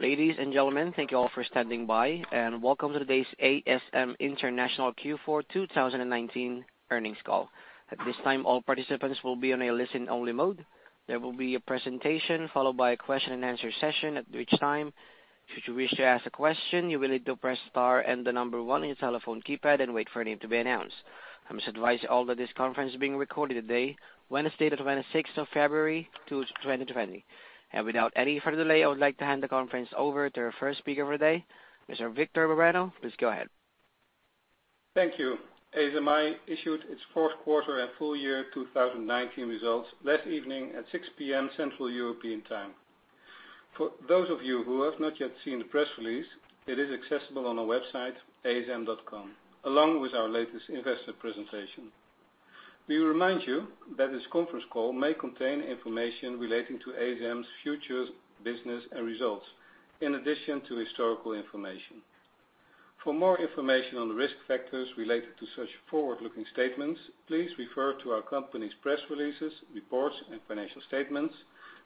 Ladies and gentlemen, thank you all for standing by, and welcome to today's ASM International Q4 2019 earnings call. At this time, all participants will be on a listen-only mode. There will be a presentation followed by a question and answer session. At which time, should you wish to ask a question, you will need to press star and the number one on your telephone keypad and wait for your name to be announced. I must advise you all that this conference is being recorded today, Wednesday the 26th of February, 2020. Without any further delay, I would like to hand the conference over to our first speaker for the day, Mr. Victor Bareño. Please go ahead. Thank you. ASMI issued its fourth quarter and full year 2019 results last evening at 6:00 P.M. Central European time. For those of you who have not yet seen the press release, it is accessible on our website, asm.com, along with our latest investor presentation. We remind you that this conference call may contain information relating to ASM's future business and results, in addition to historical information. For more information on the risk factors related to such forward-looking statements, please refer to our company's press releases, reports, and financial statements,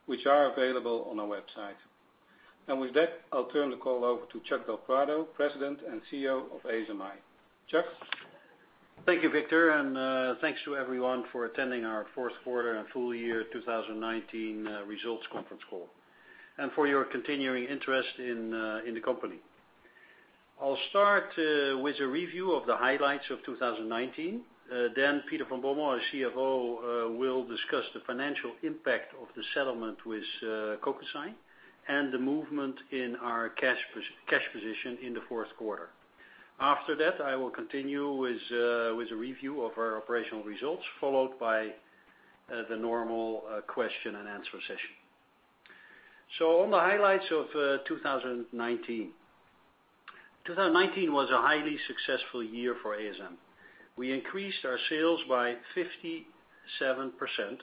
which are available on our website. With that, I'll turn the call over to Chuck del Prado, President and CEO of ASMI. Chuck? Thank you, Victor. Thanks to everyone for attending our fourth quarter and full year 2019 results conference call, and for your continuing interest in the company. Peter van Bommel, our CFO, will discuss the financial impact of the settlement with Kokusai and the movement in our cash position in the fourth quarter. After that, I will continue with a review of our operational results, followed by the normal question and answer session. On the highlights of 2019. 2019 was a highly successful year for ASM. We increased our sales by 57%,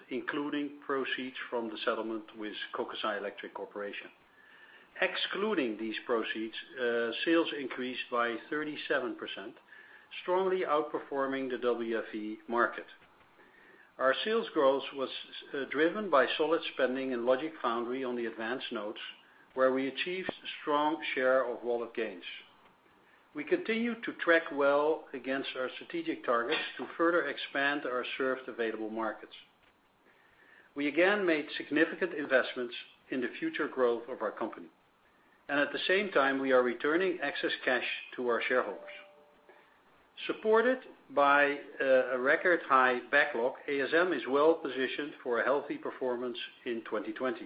including proceeds from the settlement with Kokusai Electric Corporation. Excluding these proceeds, sales increased by 37%, strongly outperforming the WFE market. Our sales growth was driven by solid spending in Logic Foundry on the advanced nodes, where we achieved strong share of wallet gains. We continued to track well against our strategic targets to further expand our served available markets. We again made significant investments in the future growth of our company, and at the same time, we are returning excess cash to our shareholders. Supported by a record-high backlog, ASM is well-positioned for a healthy performance in 2020.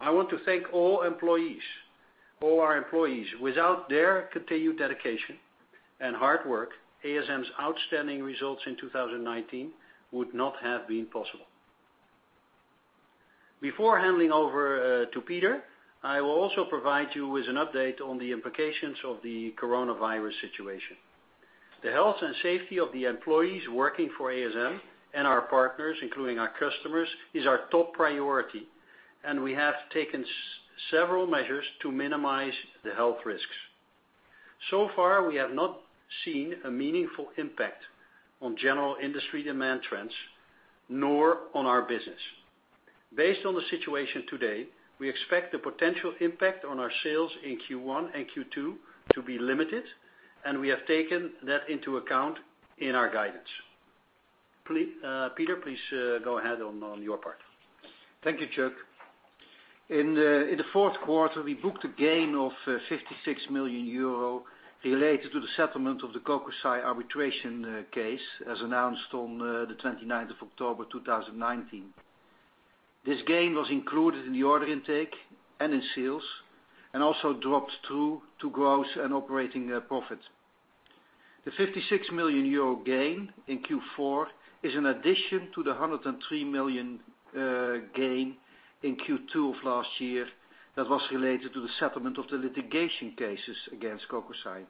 I want to thank all our employees. Without their continued dedication and hard work, ASM's outstanding results in 2019 would not have been possible. Before handing over to Peter, I will also provide you with an update on the implications of the coronavirus situation. The health and safety of the employees working for ASM and our partners, including our customers, is our top priority, and we have taken several measures to minimize the health risks. Far, we have not seen a meaningful impact on general industry demand trends, nor on our business. Based on the situation today, we expect the potential impact on our sales in Q1 and Q2 to be limited, and we have taken that into account in our guidance. Peter, please go ahead on your part. Thank you, Chuck. In the fourth quarter, we booked a gain of 56 million euro related to the settlement of the Kokusai arbitration case as announced on the 29th of October 2019. This gain was included in the order intake and in sales, and also dropped through to gross and operating profit. The 56 million euro gain in Q4 is an addition to the 103 million gain in Q2 of last year that was related to the settlement of the litigation cases against Kokusai.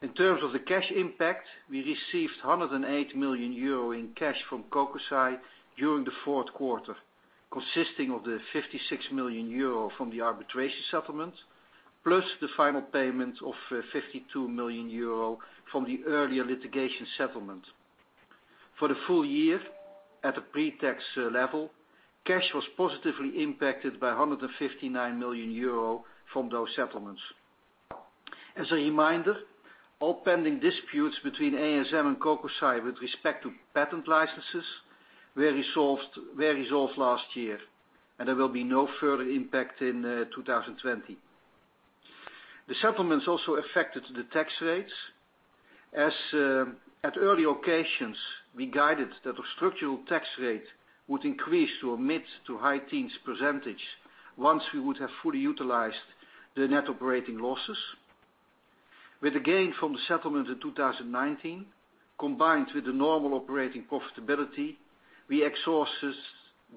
In terms of the cash impact, we received 108 million euro in cash from Kokusai during the fourth quarter, consisting of the 56 million euro from the arbitration settlement, plus the final payment of 52 million euro from the earlier litigation settlement. For the full year, at a pre-tax level, cash was positively impacted by 159 million euro from those settlements. As a reminder, all pending disputes between ASM and Kokusai with respect to patent licenses were resolved last year, and there will be no further impact in 2020. The settlements also affected the tax rates. As at earlier occasions, we guided that the structural tax rate would increase to a mid to high teens percentage once we would have fully utilized the net operating losses. With the gain from the settlement in 2019, combined with the normal operating profitability, we exhausted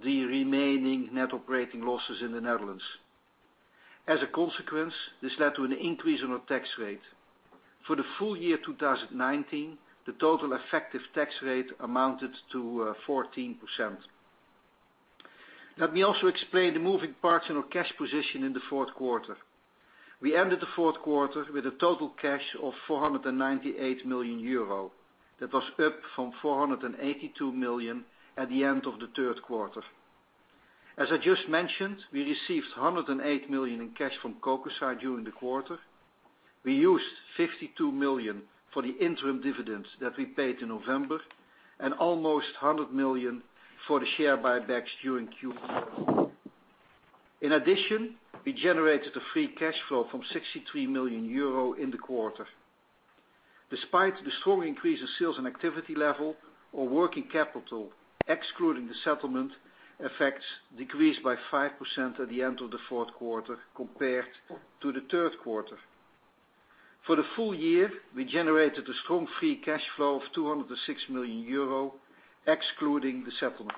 the remaining net operating losses in the Netherlands. As a consequence, this led to an increase in our tax rate. For the full year 2019, the total effective tax rate amounted to 14%. Let me also explain the moving parts in our cash position in the fourth quarter. We ended the fourth quarter with a total cash of 498 million euro. That was up from 482 million at the end of the third quarter. As I just mentioned, we received 108 million in cash from Kokusai during the quarter. We used 52 million for the interim dividends that we paid in November, and almost 100 million for the share buybacks during Q4. We generated a free cash flow from 63 million euro in the quarter. Despite the strong increase in sales and activity level, our working capital, excluding the settlement effects, decreased by 5% at the end of the fourth quarter compared to the third quarter. For the full year, we generated a strong free cash flow of 206 million euro, excluding the settlement.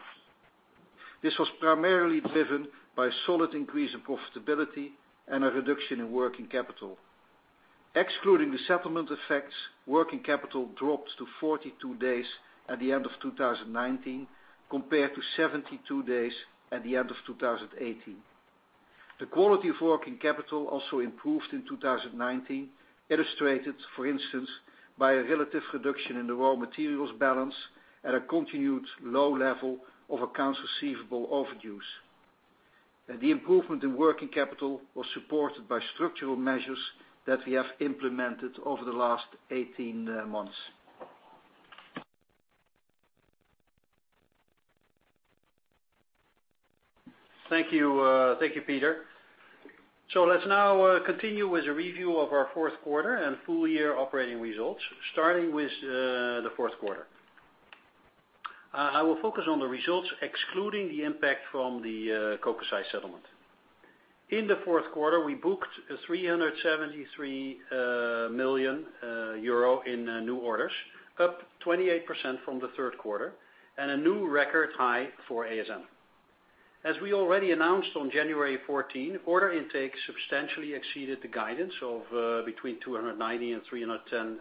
This was primarily driven by a solid increase in profitability and a reduction in working capital. Excluding the settlement effects, working capital dropped to 42 days at the end of 2019, compared to 72 days at the end of 2018. The quality of working capital also improved in 2019, illustrated, for instance, by a relative reduction in the raw materials balance and a continued low level of accounts receivable over dues. The improvement in working capital was supported by structural measures that we have implemented over the last 18 months. Thank you, Peter. Let's now continue with a review of our fourth quarter and full year operating results, starting with the fourth quarter. I will focus on the results, excluding the impact from the Kokusai settlement. In the fourth quarter, we booked 373 million euro in new orders, up 28% from the third quarter, and a new record high for ASM. As we already announced on January 14, order intake substantially exceeded the guidance of between 290 million euro and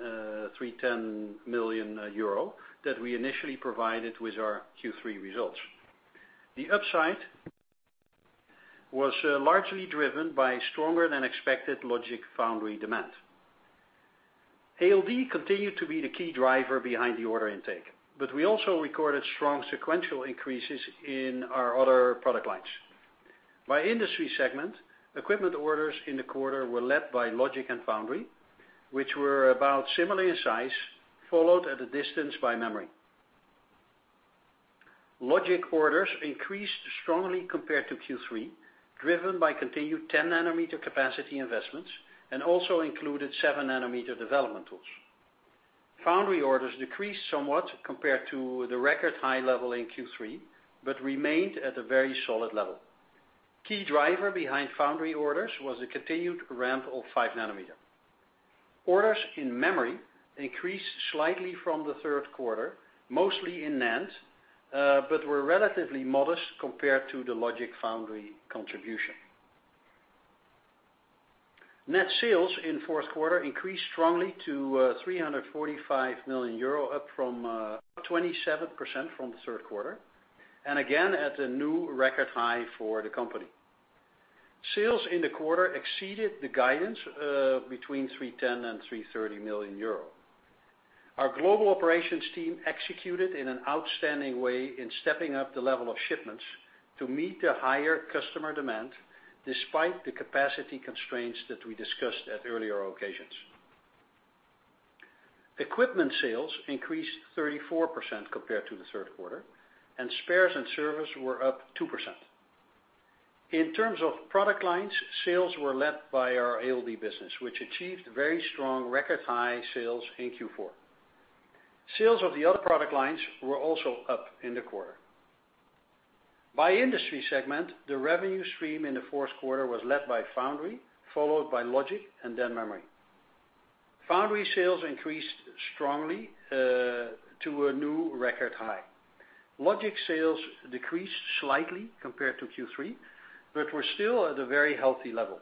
310 million euro that we initially provided with our Q3 results. The upside was largely driven by stronger than expected Logic Foundry demand. ALD continued to be the key driver behind the order intake, but we also recorded strong sequential increases in our other product lines. By industry segment, equipment orders in the quarter were led by logic and foundry, which were about similar in size, followed at a distance by memory. Logic orders increased strongly compared to Q3, driven by continued 10 nm capacity investments, and also included seven nm development tools. Foundry orders decreased somewhat compared to the record high level in Q3, remained at a very solid level. Key driver behind foundry orders was a continued ramp of five nm. Orders in memory increased slightly from the third quarter, mostly in NAND, but were relatively modest compared to the logic foundry contribution. Net sales in fourth quarter increased strongly to 345 million euro, up from 27% from the third quarter, and again at a new record high for the company. Sales in the quarter exceeded the guidance of between 310 million and 330 million euro. Our global operations team executed in an outstanding way in stepping up the level of shipments to meet the higher customer demand, despite the capacity constraints that we discussed at earlier occasions. Equipment sales increased 34% compared to the third quarter, and spares and service were up 2%. In terms of product lines, sales were led by our ALD business, which achieved very strong record high sales in Q4. Sales of the other product lines were also up in the quarter. By industry segment, the revenue stream in the fourth quarter was led by foundry, followed by logic, and then memory. Foundry sales increased strongly to a new record high. Logic sales decreased slightly compared to Q3, but were still at a very healthy level.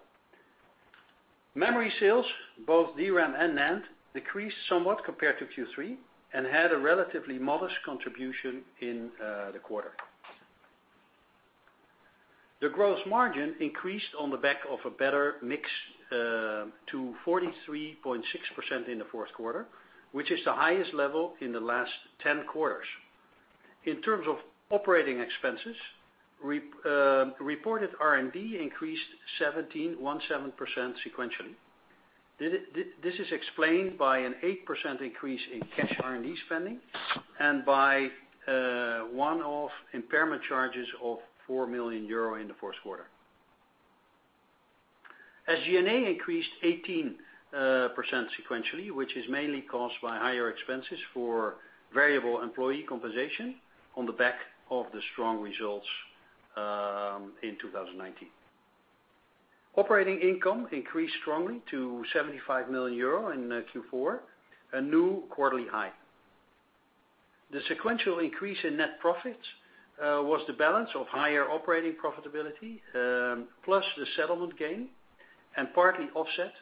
Memory sales, both DRAM and NAND, decreased somewhat compared to Q3 and had a relatively modest contribution in the quarter. The gross margin increased on the back of a better mix to 43.6% in the fourth quarter, which is the highest level in the last 10 quarters. In terms of operating expenses, reported R&D increased 17% sequentially. This is explained by an 8% increase in cash R&D spending and by one-off impairment charges of four million EUR in the fourth quarter. SG&A increased 18% sequentially, which is mainly caused by higher expenses for variable employee compensation on the back of the strong results in 2019. Operating income increased strongly to 75 million euro in Q4, a new quarterly high. The sequential increase in net profits was the balance of higher operating profitability, plus the settlement gain, and partly offset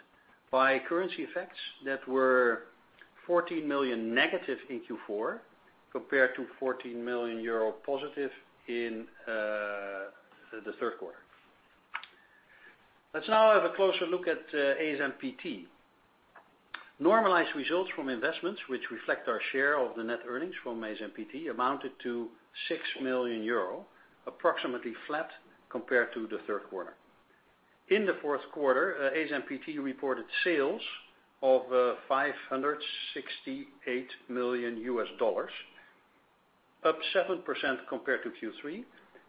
by currency effects that were 14 million negative in Q4 compared to 14 million euro positive in the third quarter. Let's now have a closer look at ASMPT. Normalized results from investments, which reflect our share of the net earnings from ASMPT, amounted to 6 million euro, approximately flat compared to the third quarter. In the fourth quarter, ASMPT reported sales of $568 million, up 7% compared to Q3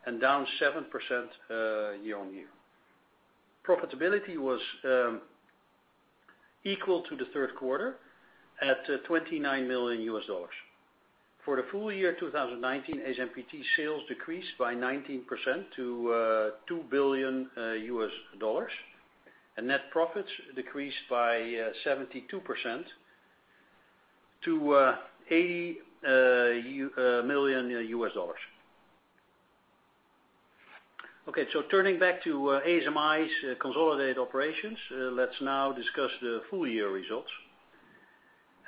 and down 7% year-on-year. Profitability was equal to the third quarter at $29 million. For the full year 2019, ASMPT sales decreased by 19% to $2 billion, and net profits decreased by 72% to $80 million. Turning back to ASMI's consolidated operations, let's now discuss the full-year results.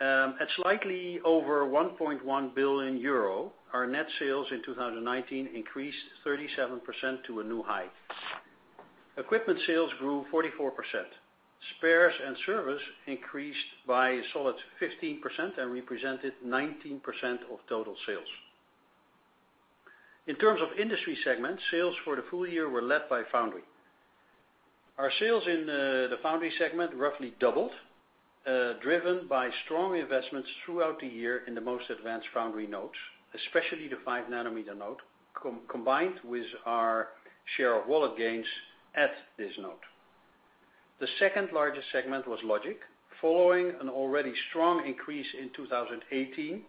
At slightly over 1.1 billion euro, our net sales in 2019 increased 37% to a new high. Equipment sales grew 44%. Spares and service increased by a solid 15% and represented 19% of total sales. In terms of industry segments, sales for the full year were led by Foundry. Our sales in the Foundry segment roughly doubled, driven by strong investments throughout the year in the most advanced Foundry nodes, especially the 5 nm node, combined with our share of wallet gains at this node. The second-largest segment was Logic. Following an already strong increase in 2018,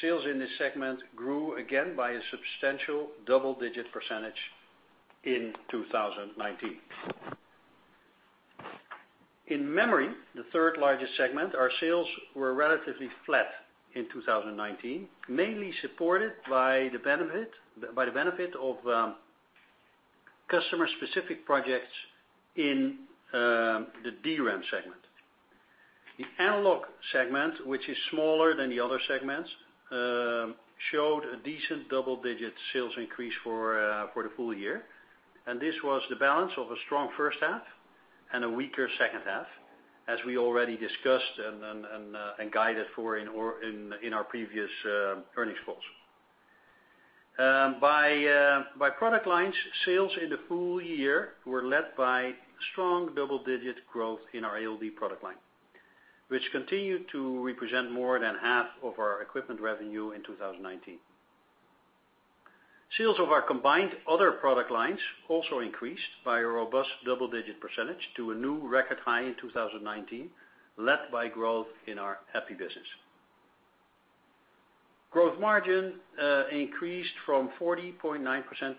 sales in this segment grew again by a substantial double-digit percentage in 2019. In Memory, the third-largest segment, our sales were relatively flat in 2019, mainly supported by the benefit of customer-specific projects in the DRAM segment. The Analog segment, which is smaller than the other segments, showed a decent double-digit sales increase for the full year. This was the balance of a strong first half and a weaker second half, as we already discussed and guided for in our previous earnings calls. By product lines, sales in the full year were led by strong double-digit growth in our ALD product line, which continued to represent more than half of our equipment revenue in 2019. Sales of our combined other product lines also increased by a robust double-digit percentage to a new record high in 2019, led by growth in our EPI business. Gross margin increased from 40.9%-42.6%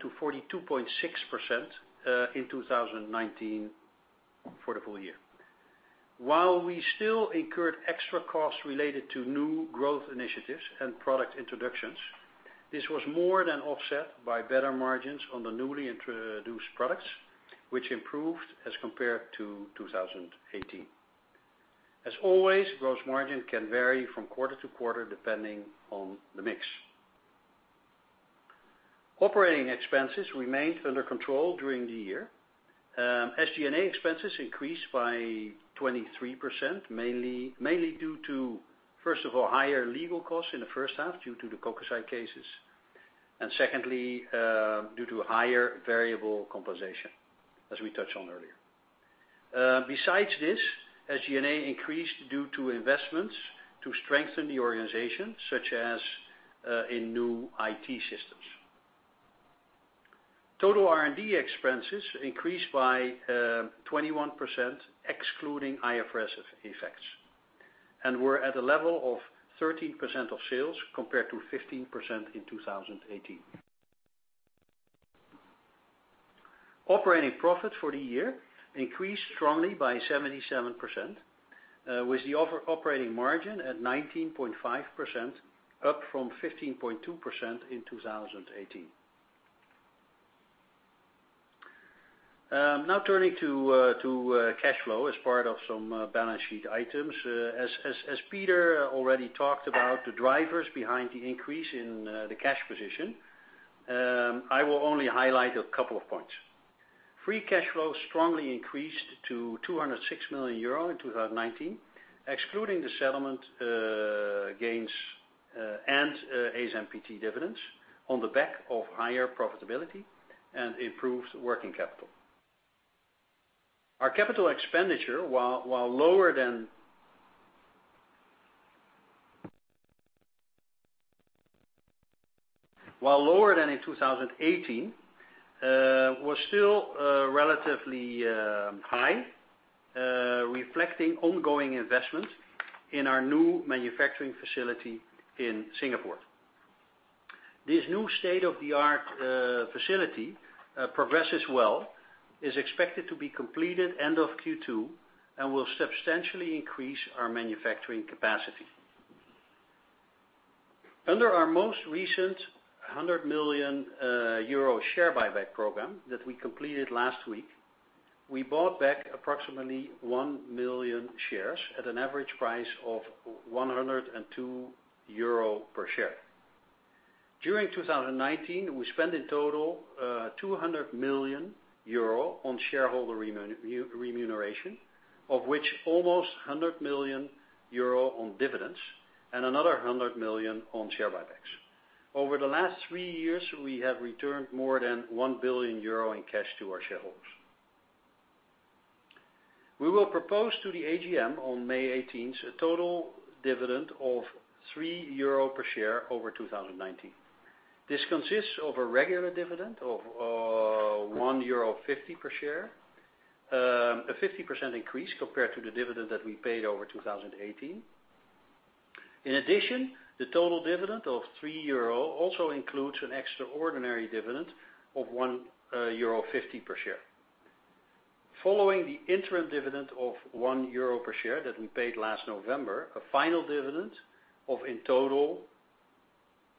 in 2019 for the full year. While we still incurred extra costs related to new growth initiatives and product introductions, this was more than offset by better margins on the newly introduced products, which improved as compared to 2018. As always, gross margin can vary from quarter to quarter, depending on the mix. Operating expenses remained under control during the year. SG&A expenses increased by 23%, mainly due to, first of all, higher legal costs in the first half due to the Kokusai cases, and secondly, due to higher variable compensation, as we touched on earlier. SG&A increased due to investments to strengthen the organization, such as in new IT systems. Total R&D expenses increased by 21%, excluding IFRS effects, and were at a level of 13% of sales compared to 15% in 2018. Operating profit for the year increased strongly by 77%, with the operating margin at 19.5%, up from 15.2% in 2018. Turning to cash flow as part of some balance sheet items. Peter already talked about the drivers behind the increase in the cash position, I will only highlight a couple of points. Free cash flow strongly increased to 206 million euro in 2019, excluding the settlement gains and ASMPT dividends on the back of higher profitability and improved working capital. Our capital expenditure, while lower than in 2018, was still relatively high, reflecting ongoing investment in our new manufacturing facility in Singapore. This new state-of-the-art facility progresses well, is expected to be completed end of Q2, and will substantially increase our manufacturing capacity. Under our most recent 100 million euro share buyback program that we completed last week, we bought back approximately 1 million shares at an average price of 102 euro per share. During 2019, we spent in total, 200 million euro on shareholder remuneration, of which almost 100 million euro on dividends and another 100 million on share buybacks. Over the last three years, we have returned more than 1 billion euro in cash to our shareholders. We will propose to the AGM on May 18th, a total dividend of 3 euro per share over 2019. This consists of a regular dividend of 1.50 euro per share, a 50% increase compared to the dividend that we paid over 2018. In addition, the total dividend of 3 euro also includes an extraordinary dividend of 1.50 euro per share. Following the interim dividend of 1 euro per share that we paid last November, a final dividend of, in total,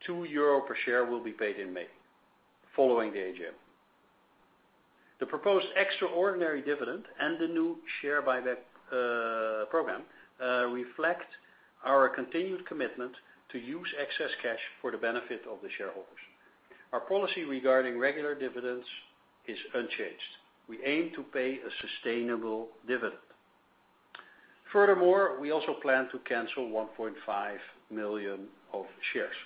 2 euro per share will be paid in May, following the AGM. The proposed extraordinary dividend and the new share buyback program reflect our continued commitment to use excess cash for the benefit of the shareholders. Our policy regarding regular dividends is unchanged. We aim to pay a sustainable dividend. Furthermore, we also plan to cancel 1.5 million of shares.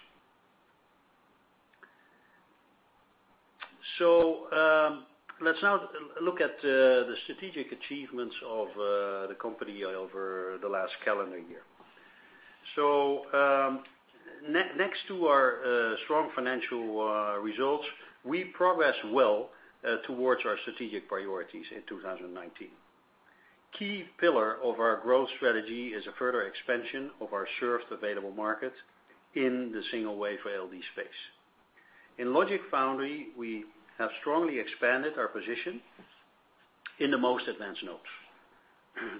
Let's now look at the strategic achievements of the company over the last calendar year. Next to our strong financial results, we progress well towards our strategic priorities in 2019. Key pillar of our growth strategy is a further expansion of our served available market in the single wafer ALD space. In logic foundry, we have strongly expanded our position in the most advanced nodes.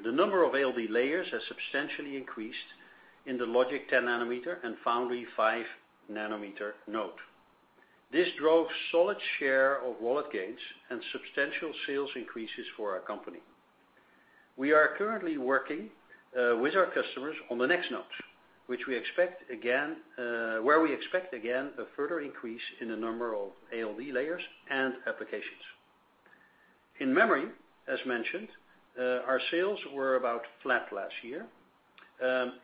The number of ALD layers has substantially increased in the logic 10 nm and foundry 5 nm node. This drove solid share of wallet gains and substantial sales increases for our company. We are currently working with our customers on the next nodes, where we expect again, a further increase in the number of ALD layers and applications. In memory, as mentioned, our sales were about flat last year.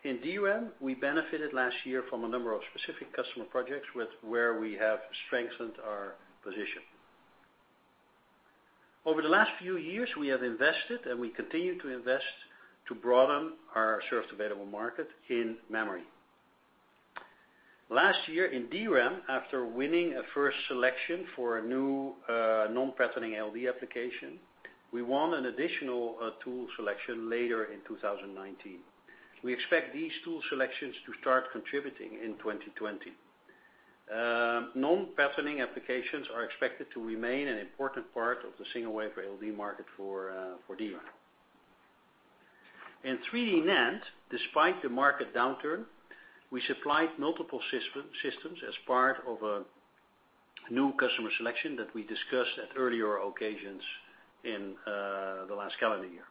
In DRAM, we benefited last year from a number of specific customer projects where we have strengthened our position. Over the last few years, we have invested, and we continue to invest to broaden our served available market in memory. Last year in DRAM, after winning a first selection for a new non-patterning ALD application, we won an additional tool selection later in 2019. We expect these tool selections to start contributing in 2020. Non-patterning applications are expected to remain an important part of the single wafer ALD market for DRAM. In 3D NAND, despite the market downturn, we supplied multiple systems as part of a new customer selection that we discussed at earlier occasions in the last calendar year.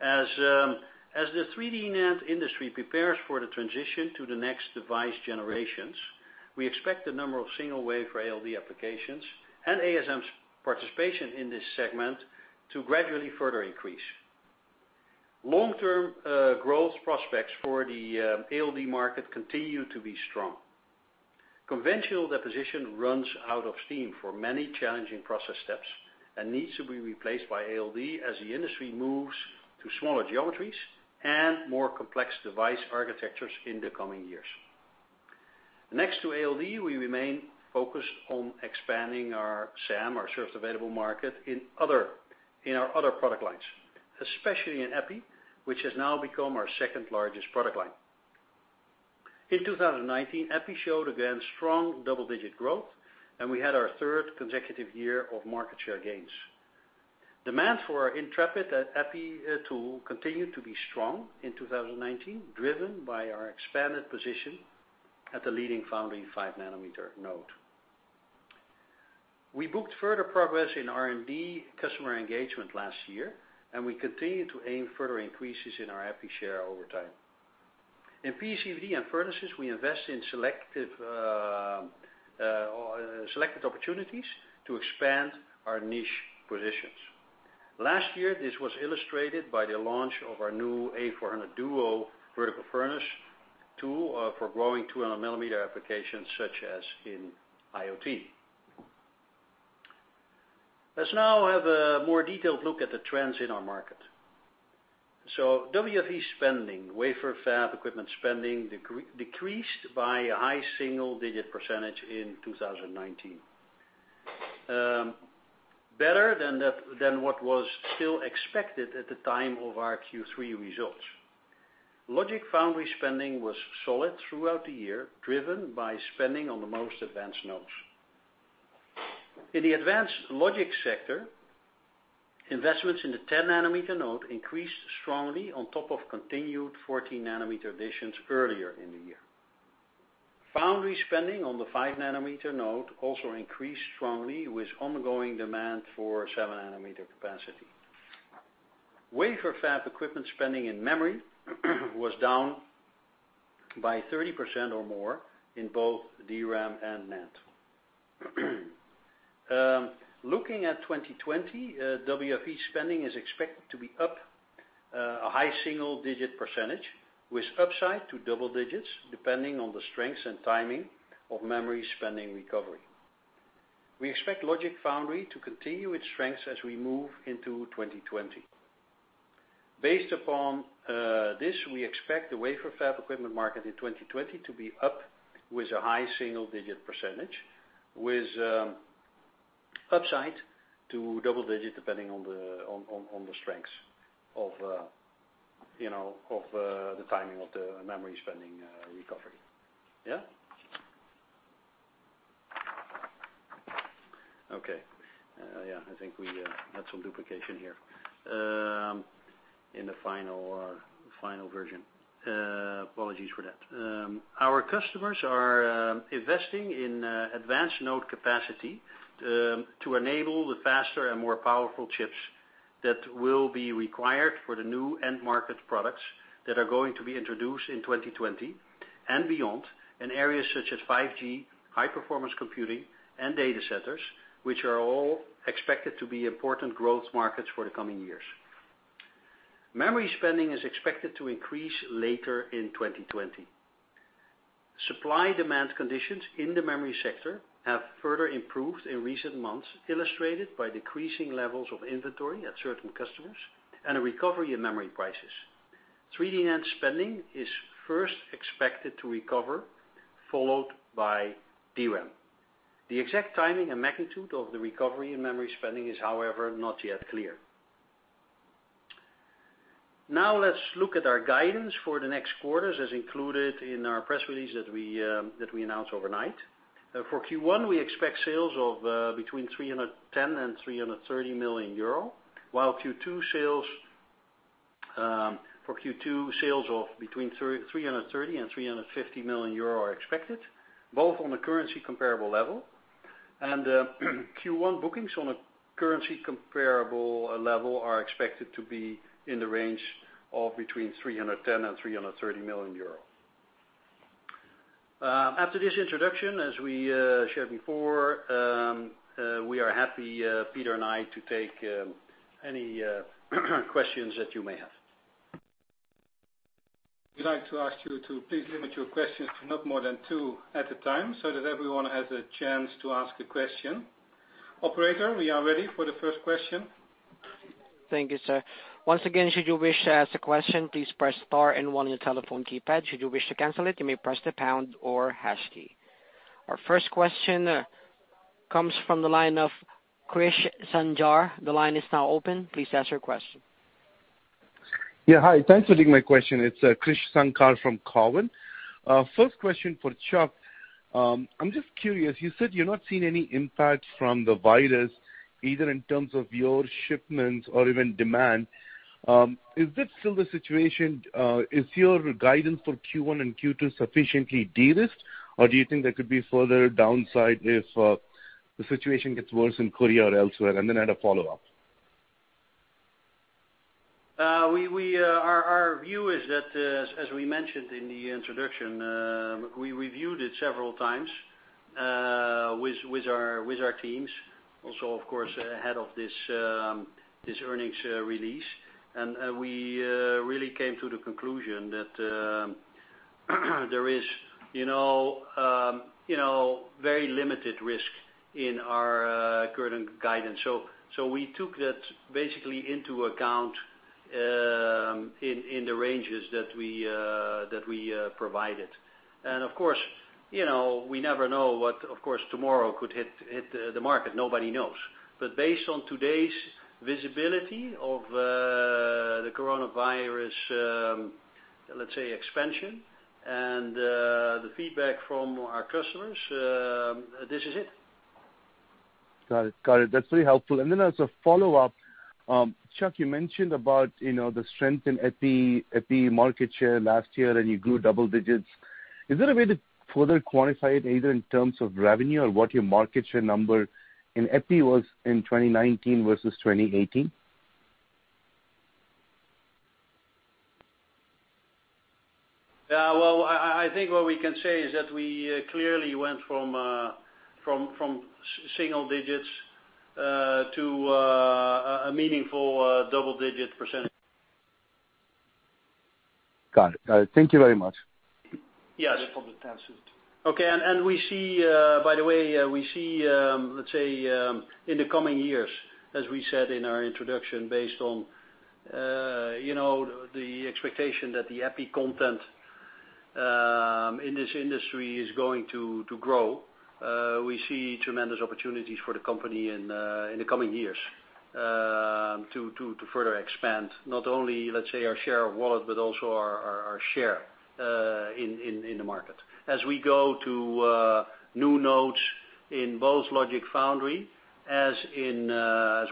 As the 3D NAND industry prepares for the transition to the next device generations, we expect the number of single wafer ALD applications and ASM's participation in this segment to gradually further increase. Long-term growth prospects for the ALD market continue to be strong. Conventional deposition runs out of steam for many challenging process steps and needs to be replaced by ALD as the industry moves to smaller geometries and more complex device architectures in the coming years. Next to ALD, we remain focused on expanding our SAM, our served available market, in our other product lines, especially in EPI, which has now become our second-largest product line. In 2019, EPI showed again, strong double-digit growth, and we had our third consecutive year of market share gains. Demand for our Intrepid EPI tool continued to be strong in 2019, driven by our expanded position at the leading foundry five nm node. We booked further progress in R&D customer engagement last year, and we continue to aim further increases in our EPI share over time. In PECVD and furnaces, we invest in selected opportunities to expand our niche positions. Last year, this was illustrated by the launch of our new A400 DUO vertical furnace tool for growing 200 mm applications, such as in IoT. Let's now have a more detailed look at the trends in our market. WFE spending, wafer fab equipment spending, decreased by a high single-digit percentage in 2019. Better than what was still expected at the time of our Q3 results. Logic Foundry spending was solid throughout the year, driven by spending on the most advanced nodes. In the advanced logic sector, investments in the 10 nm node increased strongly on top of continued 14 nm additions earlier in the year. Foundry spending on the 5 nm node also increased strongly with ongoing demand for 7 nm capacity. Wafer fab equipment spending in memory was down by 30% or more in both DRAM and NAND. Looking at 2020, WFE spending is expected to be up a high single-digit percentage, with upside to double-digits, depending on the strengths and timing of memory spending recovery. We expect Logic Foundry to continue its strengths as we move into 2020. Based upon this, we expect the wafer fab equipment market in 2020 to be up with a high single-digit percentage, with upside to double-digits, depending on the strengths of the timing of the memory spending recovery. Yeah? Okay. Yeah, I think we had some duplication here in the final version. Apologies for that. Our customers are investing in advanced node capacity to enable the faster and more powerful chips that will be required for the new end market products that are going to be introduced in 2020 and beyond, in areas such as 5G, high-performance computing, and data centers, which are all expected to be important growth markets for the coming years. Memory spending is expected to increase later in 2020. Supply-demand conditions in the memory sector have further improved in recent months, illustrated by decreasing levels of inventory at certain customers and a recovery in memory prices. 3D NAND spending is first expected to recover, followed by DRAM. The exact timing and magnitude of the recovery in memory spending is, however, not yet clear. Let's look at our guidance for the next quarters as included in our press release that we announced overnight. For Q1, we expect sales of between 310 million and 330 million euro, while for Q2, sales of between 330 million and 350 million euro are expected, both on a currency comparable level. Q1 bookings on a currency comparable level are expected to be in the range of between 310 million and 330 million euro. After this introduction, as we shared before, we are happy, Peter and I, to take any questions that you may have. We'd like to ask you to please limit your questions to not more than two at a time, so that everyone has a chance to ask a question. Operator, we are ready for the first question. Thank you, sir. Once again, should you wish to ask a question, please press star and one on your telephone keypad. Should you wish to cancel it, you may press the pound or hash key. Our first question comes from the line of Krish Sankar. The line is now open. Please ask your question. Yeah, hi. Thanks for taking my question. It's Krish Sankar from Cowen. First question for Chuck. I'm just curious, you said you're not seeing any impact from the virus, either in terms of your shipments or even demand. Is this still the situation? Is your guidance for Q1 and Q2 sufficiently de-risked, or do you think there could be further downside if the situation gets worse in Korea or elsewhere? Then I had a follow-up. Our view is that, as we mentioned in the introduction, we reviewed it several times with our teams also, of course, ahead of this earnings release. We really came to the conclusion that there is very limited risk in our current guidance. We took that basically into account in the ranges that we provided. Of course, we never know what tomorrow could hit the market. Nobody knows. Based on today's visibility of the coronavirus, let's say, expansion and the feedback from our customers, this is it. Got it. That's very helpful. As a follow-up, Chuck, you mentioned about the strength in Epi market share last year, you grew double digits. Is there a way to further quantify it, either in terms of revenue or what your market share number in Epi was in 2019 versus 2018? Yeah. I think what we can say is that we clearly went from single digits to a meaningful double-digit percentage. Got it. Thank you very much. Yes. Okay. By the way, we see, let's say in the coming years, as we said in our introduction, based on the expectation that the Epi content in this industry is going to grow, we see tremendous opportunities for the company in the coming years. To further expand, not only, let's say, our share of wallet, but also our share in the market. As we go to new nodes in both Logic Foundry as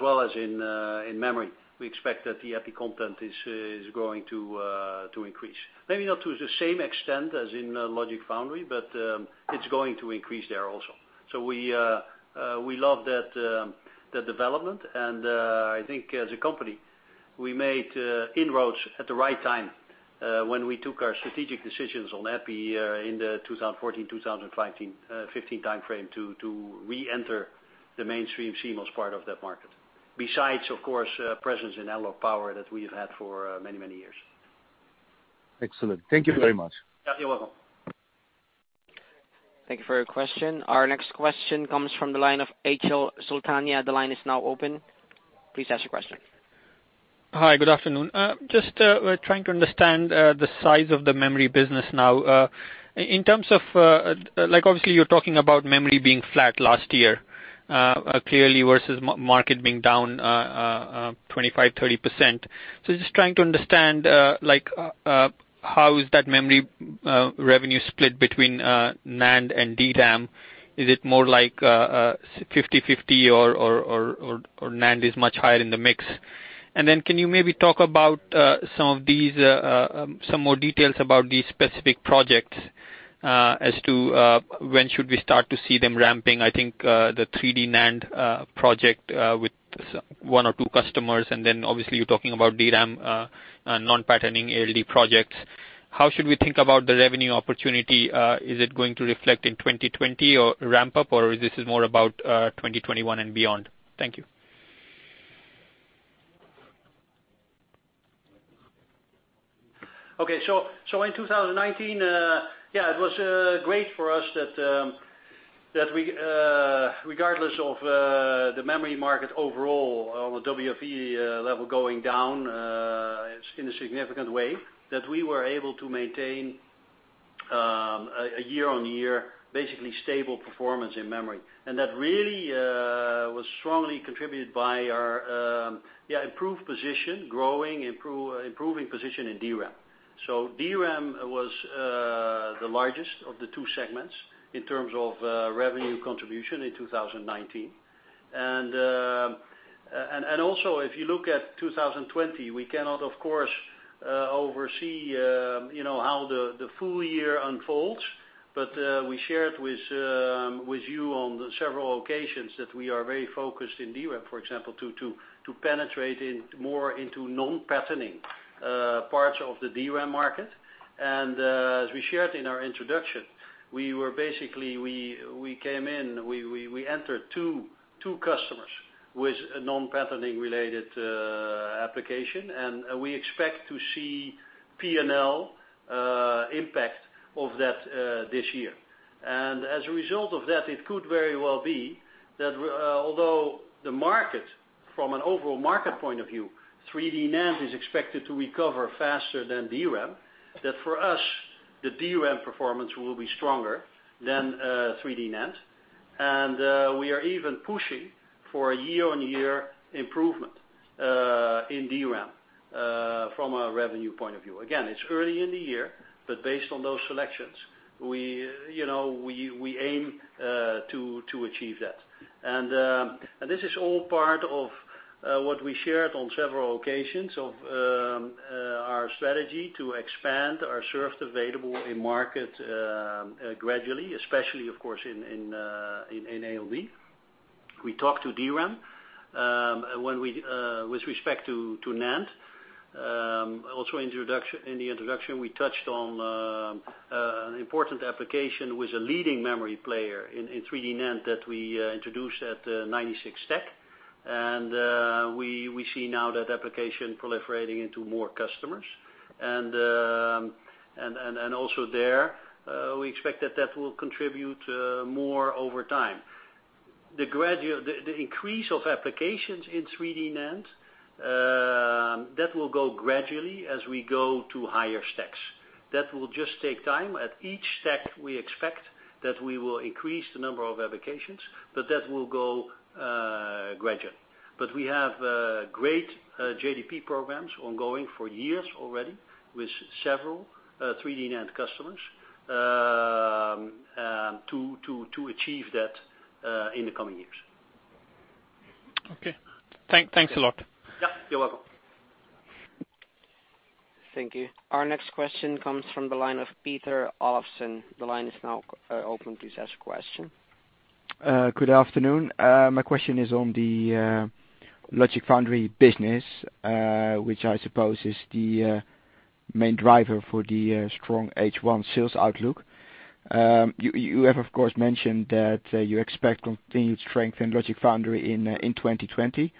well as in memory, we expect that the Epi content is going to increase. Maybe not to the same extent as in Logic Foundry, but it's going to increase there also. We love that development, and I think as a company, we made inroads at the right time when we took our strategic decisions on Epi in the 2014, 2015 timeframe to reenter the mainstream CMOS part of that market, besides, of course, presence in analog power that we've had for many, many years. Excellent. Thank you very much. Yeah, you're welcome. Thank you for your question. Our next question comes from the line of Achal Sultania. The line is now open. Please ask your question. Hi, good afternoon. Just trying to understand the size of the memory business now. In terms of, obviously, you're talking about memory being flat last year, clearly versus market being down 25%, 30%. Just trying to understand how is that memory revenue split between NAND and DRAM. Is it more like 50/50, or NAND is much higher in the mix? Can you maybe talk about some more details about these specific projects as to when should we start to see them ramping? I think, the 3D NAND project, with one or two customers, obviously you're talking about DRAM non-patterning ALD projects. How should we think about the revenue opportunity? Is it going to reflect in 2020 or ramp up, or is this more about 2021 and beyond? Thank you. Okay. So in 2019, it was great for us that regardless of the memory market overall on the WFE level going down in a significant way, that we were able to maintain a year-on-year, basically stable performance in memory. That really was strongly contributed by our improved position, growing, improving position in DRAM. DRAM was the largest of the two segments in terms of revenue contribution in 2019. Also, if you look at 2020, we cannot, of course, oversee how the full year unfolds. We shared with you on several occasions that we are very focused in DRAM, for example, to penetrate more into non-patterning parts of the DRAM market. As we shared in our introduction, we entered two customers with a non-patterning related application, and we expect to see P&L impact of that this year. As a result of that, it could very well be that although the market, from an overall market point of view, 3D NAND is expected to recover faster than DRAM, that for us, the DRAM performance will be stronger than 3D NAND. We are even pushing for a year-on-year improvement in DRAM from a revenue point of view. Again, it's early in the year, but based on those selections, we aim to achieve that. This is all part of what we shared on several occasions of our strategy to expand our served available in market gradually, especially, of course, in ALD. We talked to DRAM. With respect to NAND, also in the introduction, we touched on an important application with a leading memory player in 3D NAND that we introduced at 96 Tech. We see now that application proliferating into more customers. Also there, we expect that that will contribute more over time. The increase of applications in 3D NAND, that will go gradually as we go to higher stacks. That will just take time. At each stack, we expect that we will increase the number of applications, but that will go gradually. We have great JDP programs ongoing for years already with several 3D NAND customers to achieve that in the coming years. Okay. Thanks a lot. Yeah. You're welcome. Thank you. Our next question comes from the line of Peter Olofsen. The line is now open. Please ask a question. Good afternoon. My question is on the Logic Foundry business, which I suppose is the main driver for the strong H1 sales outlook. You have, of course, mentioned that you expect continued strength in Logic Foundry in 2020.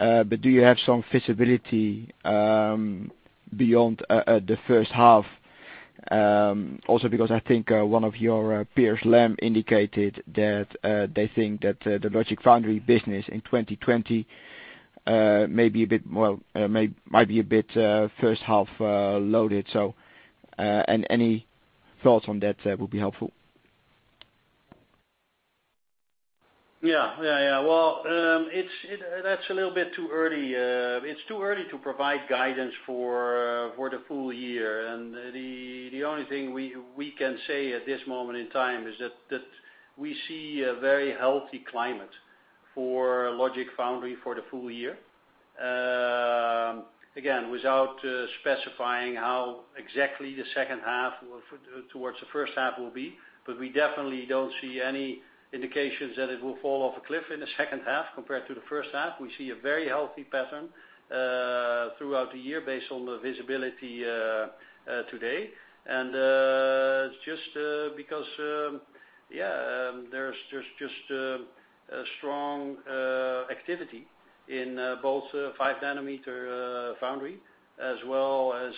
Do you have some visibility beyond the first half? Because I think one of your peers, Lam, indicated that they think that the Logic Foundry business in 2020 might be a bit first half loaded. Any thoughts on that will be helpful. Yeah. Well, that's a little bit too early. It's too early to provide guidance for the full year. The only thing we can say at this moment in time is that we see a very healthy climate for Logic Foundry for the full year. Again, without specifying how exactly the second half towards the first half will be. We definitely don't see any indications that it will fall off a cliff in the second half compared to the first half. We see a very healthy pattern throughout the year based on the visibility today. It's just because there's just a strong activity in both 5 nm foundry as well as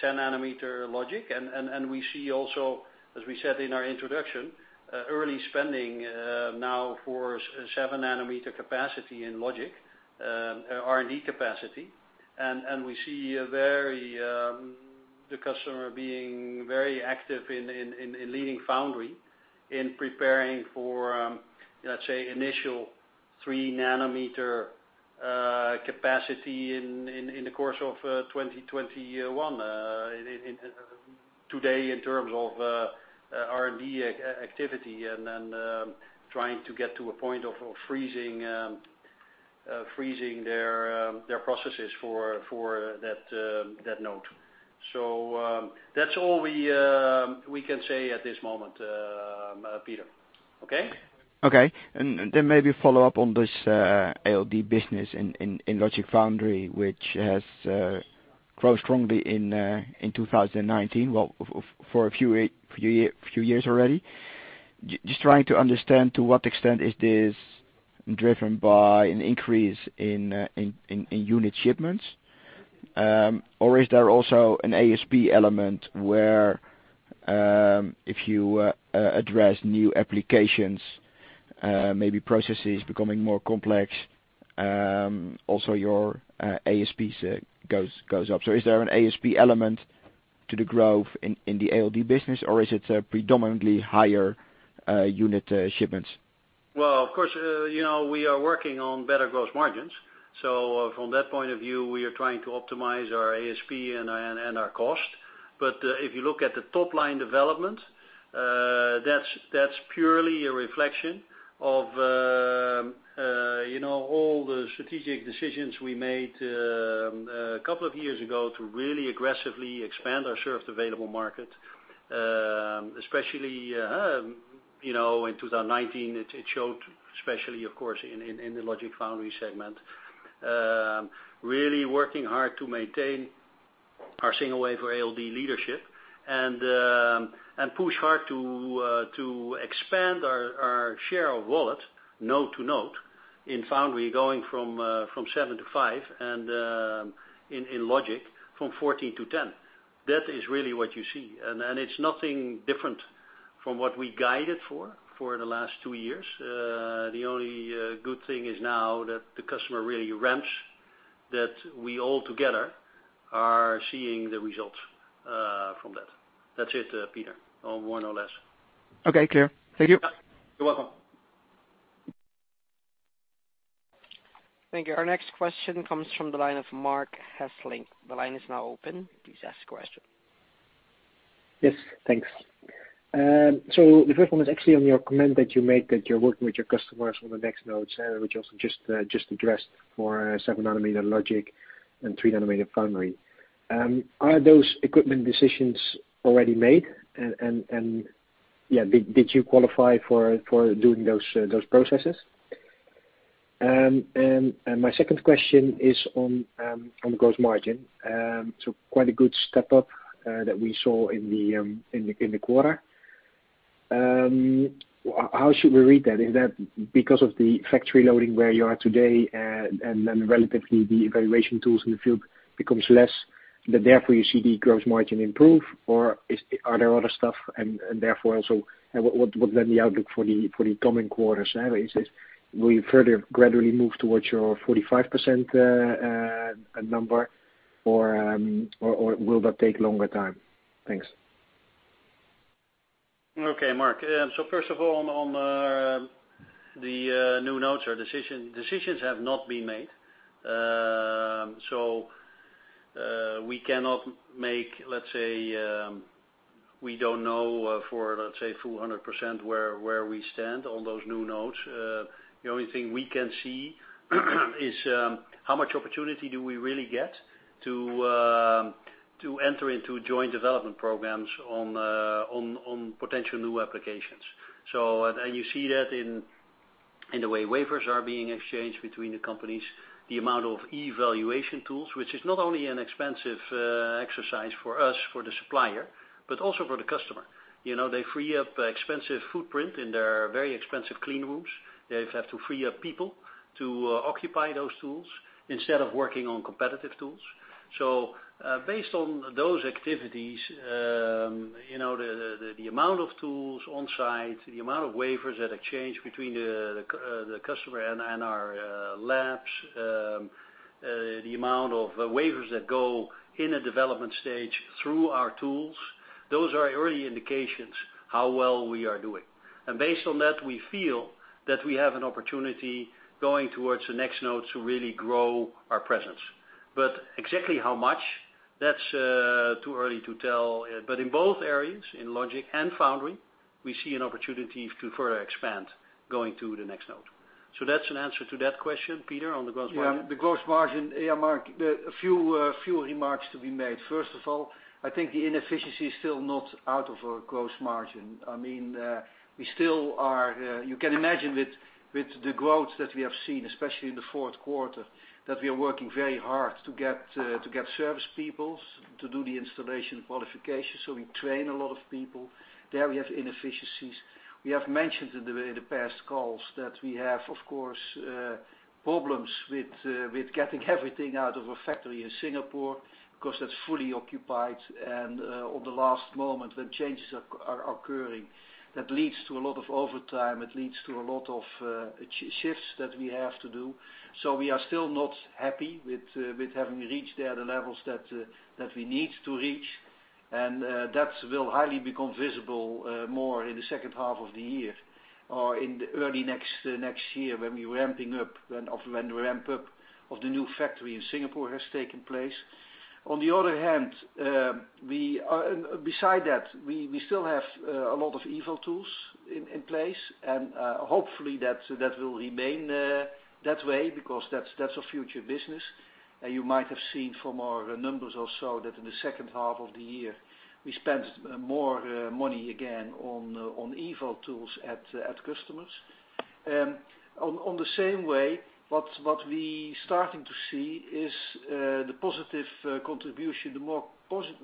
10 nm logic. We see also, as we said in our introduction, early spending now for 7 nm capacity in logic, R&D capacity. We see the customer being very active in leading Logic Foundry in preparing for, let's say, initial 3-nm capacity in the course of 2021. Today in terms of R&D activity and then trying to get to a point of freezing their processes for that node. That's all we can say at this moment, Peter. Okay? Okay. Maybe follow up on this ALD business in logic foundry, which has grown strongly in 2019. Well, for a few years already. Just trying to understand to what extent is this driven by an increase in unit shipments? Is there also an ASP element where, if you address new applications, maybe processes becoming more complex, also your ASPs goes up. Is there an ASP element to the growth in the ALD business, or is it predominantly higher unit shipments? Well, of course, we are working on better gross margins. From that point of view, we are trying to optimize our ASP and our cost. If you look at the top-line development, that's purely a reflection of all the strategic decisions we made a couple of years ago to really aggressively expand our served available market. Especially in 2019, it showed, especially of course, in the Logic Foundry segment. Really working hard to maintain our single wafer ALD leadership and push hard to expand our share of wallet, node to node in foundry, going from seven to five and in logic from 14-10. That is really what you see. It's nothing different from what we guided for the last two years. The only good thing is now that the customer really ramps that we all together are seeing the results from that. That's it, Peter. No more, no less. Okay. Clear. Thank you. You're welcome. Thank you. Our next question comes from the line of Marc Hesselink. The line is now open. Please ask question. Yes. Thanks. The first one is actually on your comment that you made, that you're working with your customers on the next nodes, which also just addressed for 7 nm logic and 3 nm foundry. Are those equipment decisions already made? Did you qualify for doing those processes? My second question is on gross margin. Quite a good step up that we saw in the quarter. How should we read that? Is that because of the factory loading where you are today and relatively the evaluation tools in the field becomes less, that therefore you see the gross margin improve? Are there other stuff and therefore also, what the outlook for the coming quarters averages? Will you further gradually move towards your 45% number or will that take longer time? Thanks. Okay. Marc, first of all, on the new nodes, decisions have not been made. We cannot make, let's say, we don't know for, let's say 400% where we stand on those new nodes. The only thing we can see is how much opportunity do we really get to enter into joint development programs on potential new applications. You see that in the way wafers are being exchanged between the companies, the amount of evaluation tools, which is not only an expensive exercise for us, for the supplier, but also for the customer. They free up expensive footprint in their very expensive clean rooms. They have to free up people to occupy those tools instead of working on competitive tools. Based on those activities, the amount of tools on site, the amount of wafers that exchange between the customer and our labs. The amount of wafers that go in a development stage through our tools, those are early indications how well we are doing. Based on that, we feel that we have an opportunity going towards the next node to really grow our presence. Exactly how much? That's too early to tell. In both areas, in logic and foundry, we see an opportunity to further expand going to the next node. That's an answer to that question, Peter, on the gross margin. The gross margin. Marc, a few remarks to be made. First of all, I think the inefficiency is still not out of our gross margin. You can imagine with the growth that we have seen, especially in the fourth quarter, that we are working very hard to get service people to do the installation qualification. We train a lot of people. There we have inefficiencies. We have mentioned in the past calls that we have, of course, problems with getting everything out of our factory in Singapore because that's fully occupied. On the last moment, when changes are occurring, that leads to a lot of overtime. It leads to a lot of shifts that we have to do. We are still not happy with having reached there the levels that we need to reach. That will highly become visible more in the second half of the year or in the early next year when the ramp-up of the new factory in Singapore has taken place. Beside that, we still have a lot of eval tools in place. Hopefully, that will remain that way because that's our future business. You might have seen from our numbers or so that in the second half of the year, we spent more money again on eval tools at customers. On the same way, what we starting to see is the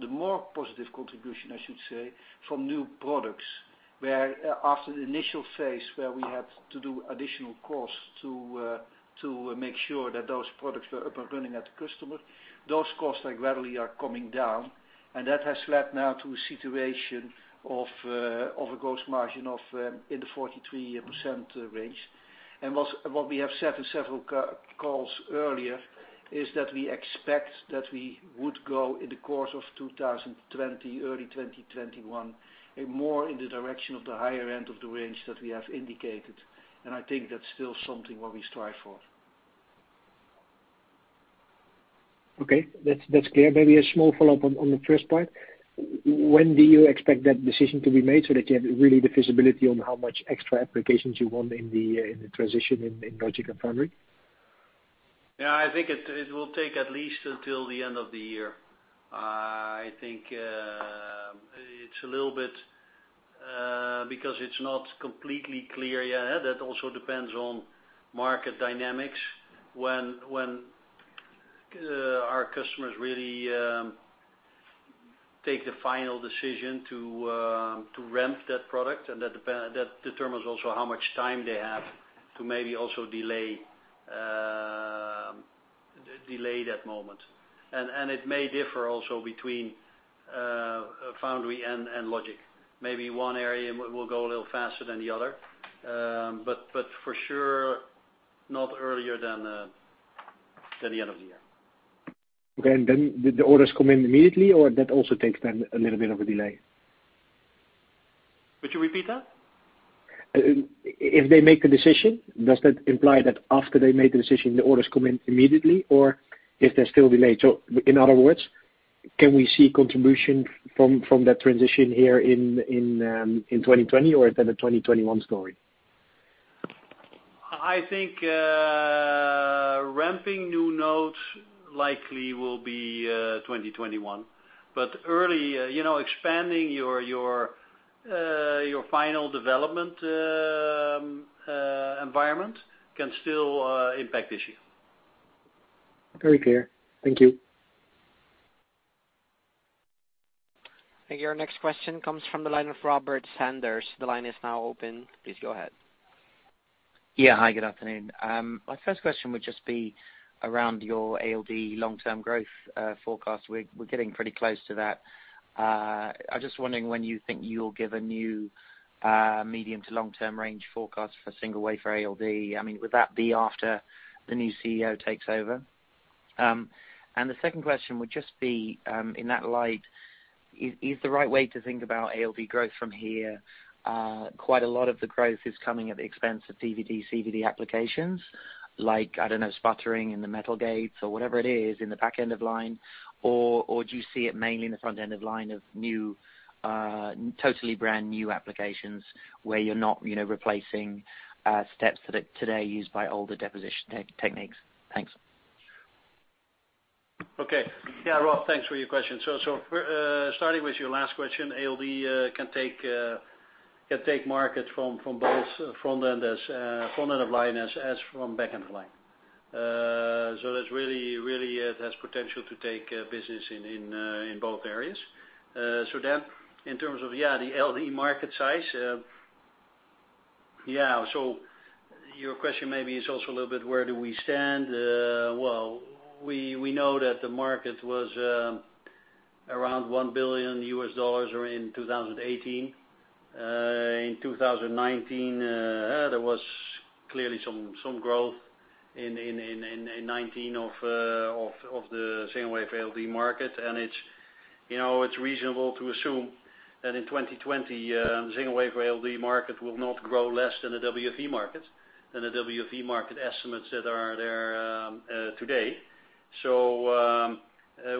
more positive contribution, I should say, from new products. Where after the initial phase where we had to do additional costs to make sure that those products were up and running at the customer, those costs gradually are coming down. That has led now to a situation of a gross margin in the 43% range. What we have said in several calls earlier is that we expect that we would go in the course of 2020, early 2021, more in the direction of the higher end of the range that we have indicated. I think that's still something what we strive for. Okay. That is clear. Maybe a small follow-up on the first part. When do you expect that decision to be made so that you have really the visibility on how much extra applications you want in the transition in logic and foundry? Yeah, I think it will take at least until the end of the year. I think it's a little bit, because it's not completely clear yet. That also depends on market dynamics. When our customers really take the final decision to ramp that product, that determines also how much time they have to maybe also delay that moment. It may differ also between foundry and logic. Maybe one area will go a little faster than the other. For sure, not earlier than the end of the year. Okay. Did the orders come in immediately, or that also takes time, a little bit of a delay? Could you repeat that? If they make the decision, does that imply that after they make the decision, the orders come in immediately, or if they're still delayed? In other words, can we see contribution from that transition here in 2020, or is that a 2021 story? I think ramping new nodes likely will be 2021. Early, expanding your final development environment can still impact this year. Very clear. Thank you. Thank you. Our next question comes from the line of Robert Sanders. The line is now open. Please go ahead. Yeah. Hi, good afternoon. My first question would just be around your ALD long-term growth forecast. We're getting pretty close to that. I'm just wondering when you think you'll give a new, medium to long-term range forecast for single wafer ALD. Would that be after the new CEO takes over? The second question would just be, in that light, is the right way to think about ALD growth from here, quite a lot of the growth is coming at the expense of CVD applications? Like, I don't know, sputtering in the metal gates or whatever it is in the back end of line. Or do you see it mainly in the front end of line of totally brand new applications where you're not replacing steps that today are used by older deposition techniques? Thanks. Rob, thanks for your question. Starting with your last question, ALD can take markets from both front end of line as from back end of line. That really has potential to take business in both areas. In terms of the ALD market size. Your question maybe is also a little bit where do we stand? Well, we know that the market was Around EUR 1 billion in 2018. In 2019, there was clearly some growth in the single-wafer ALD market. It's reasonable to assume that in 2020, single-wafer ALD market will not grow less than the WFE market estimates that are there today.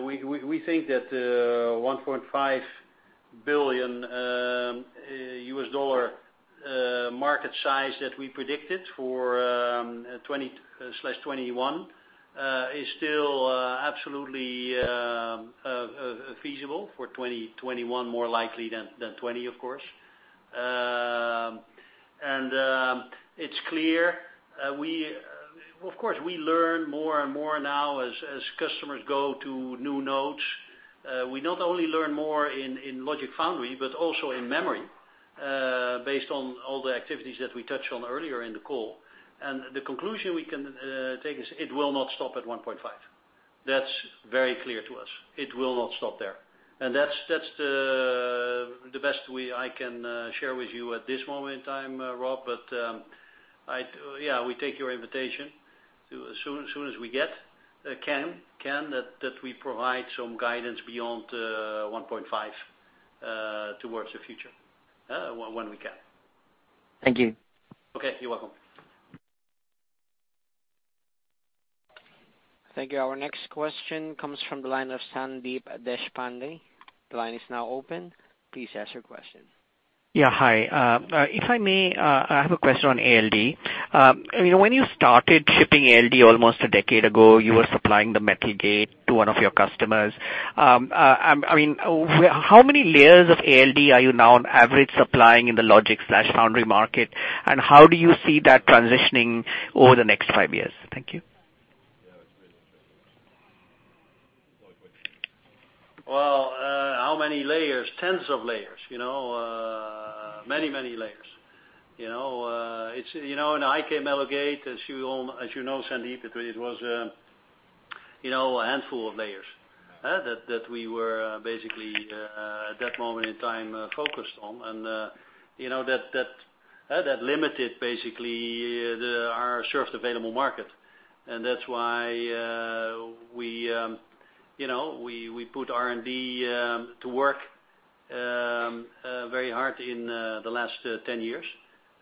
We think that EUR 1.5 billion market size that we predicted for 2020/2021, is still absolutely feasible for 2021, more likely than 2020, of course. It's clear. Of course, we learn more and more now as customers go to new nodes. We not only learn more in logic foundry, but also in memory, based on all the activities that we touched on earlier in the call. The conclusion we can take is, it will not stop at 1.5. That's very clear to us. It will not stop there. That's the best I can share with you at this moment in time, Rob, but, yeah, we take your invitation. As soon as we can, that we provide some guidance beyond 1.5 towards the future. When we can. Thank you. Okay. You're welcome. Thank you. Our next question comes from the line of Sandeep Deshpande. The line is now open. Please ask your question. Yeah. Hi. If I may, I have a question on ALD. When you started shipping ALD almost a decade ago, you were supplying the metal gate to one of your customers. How many layers of ALD are you now on average supplying in the logic/foundry market, and how do you see that transitioning over the next five years? Thank you. Well, how many layers? Tens of layers. Many layers. In HKMG, as you know, Sandeep, it was a handful of layers that we were basically, at that moment in time, focused on. That limited, basically, our served available market. That's why, we put R&D to work very hard in the last 10 years.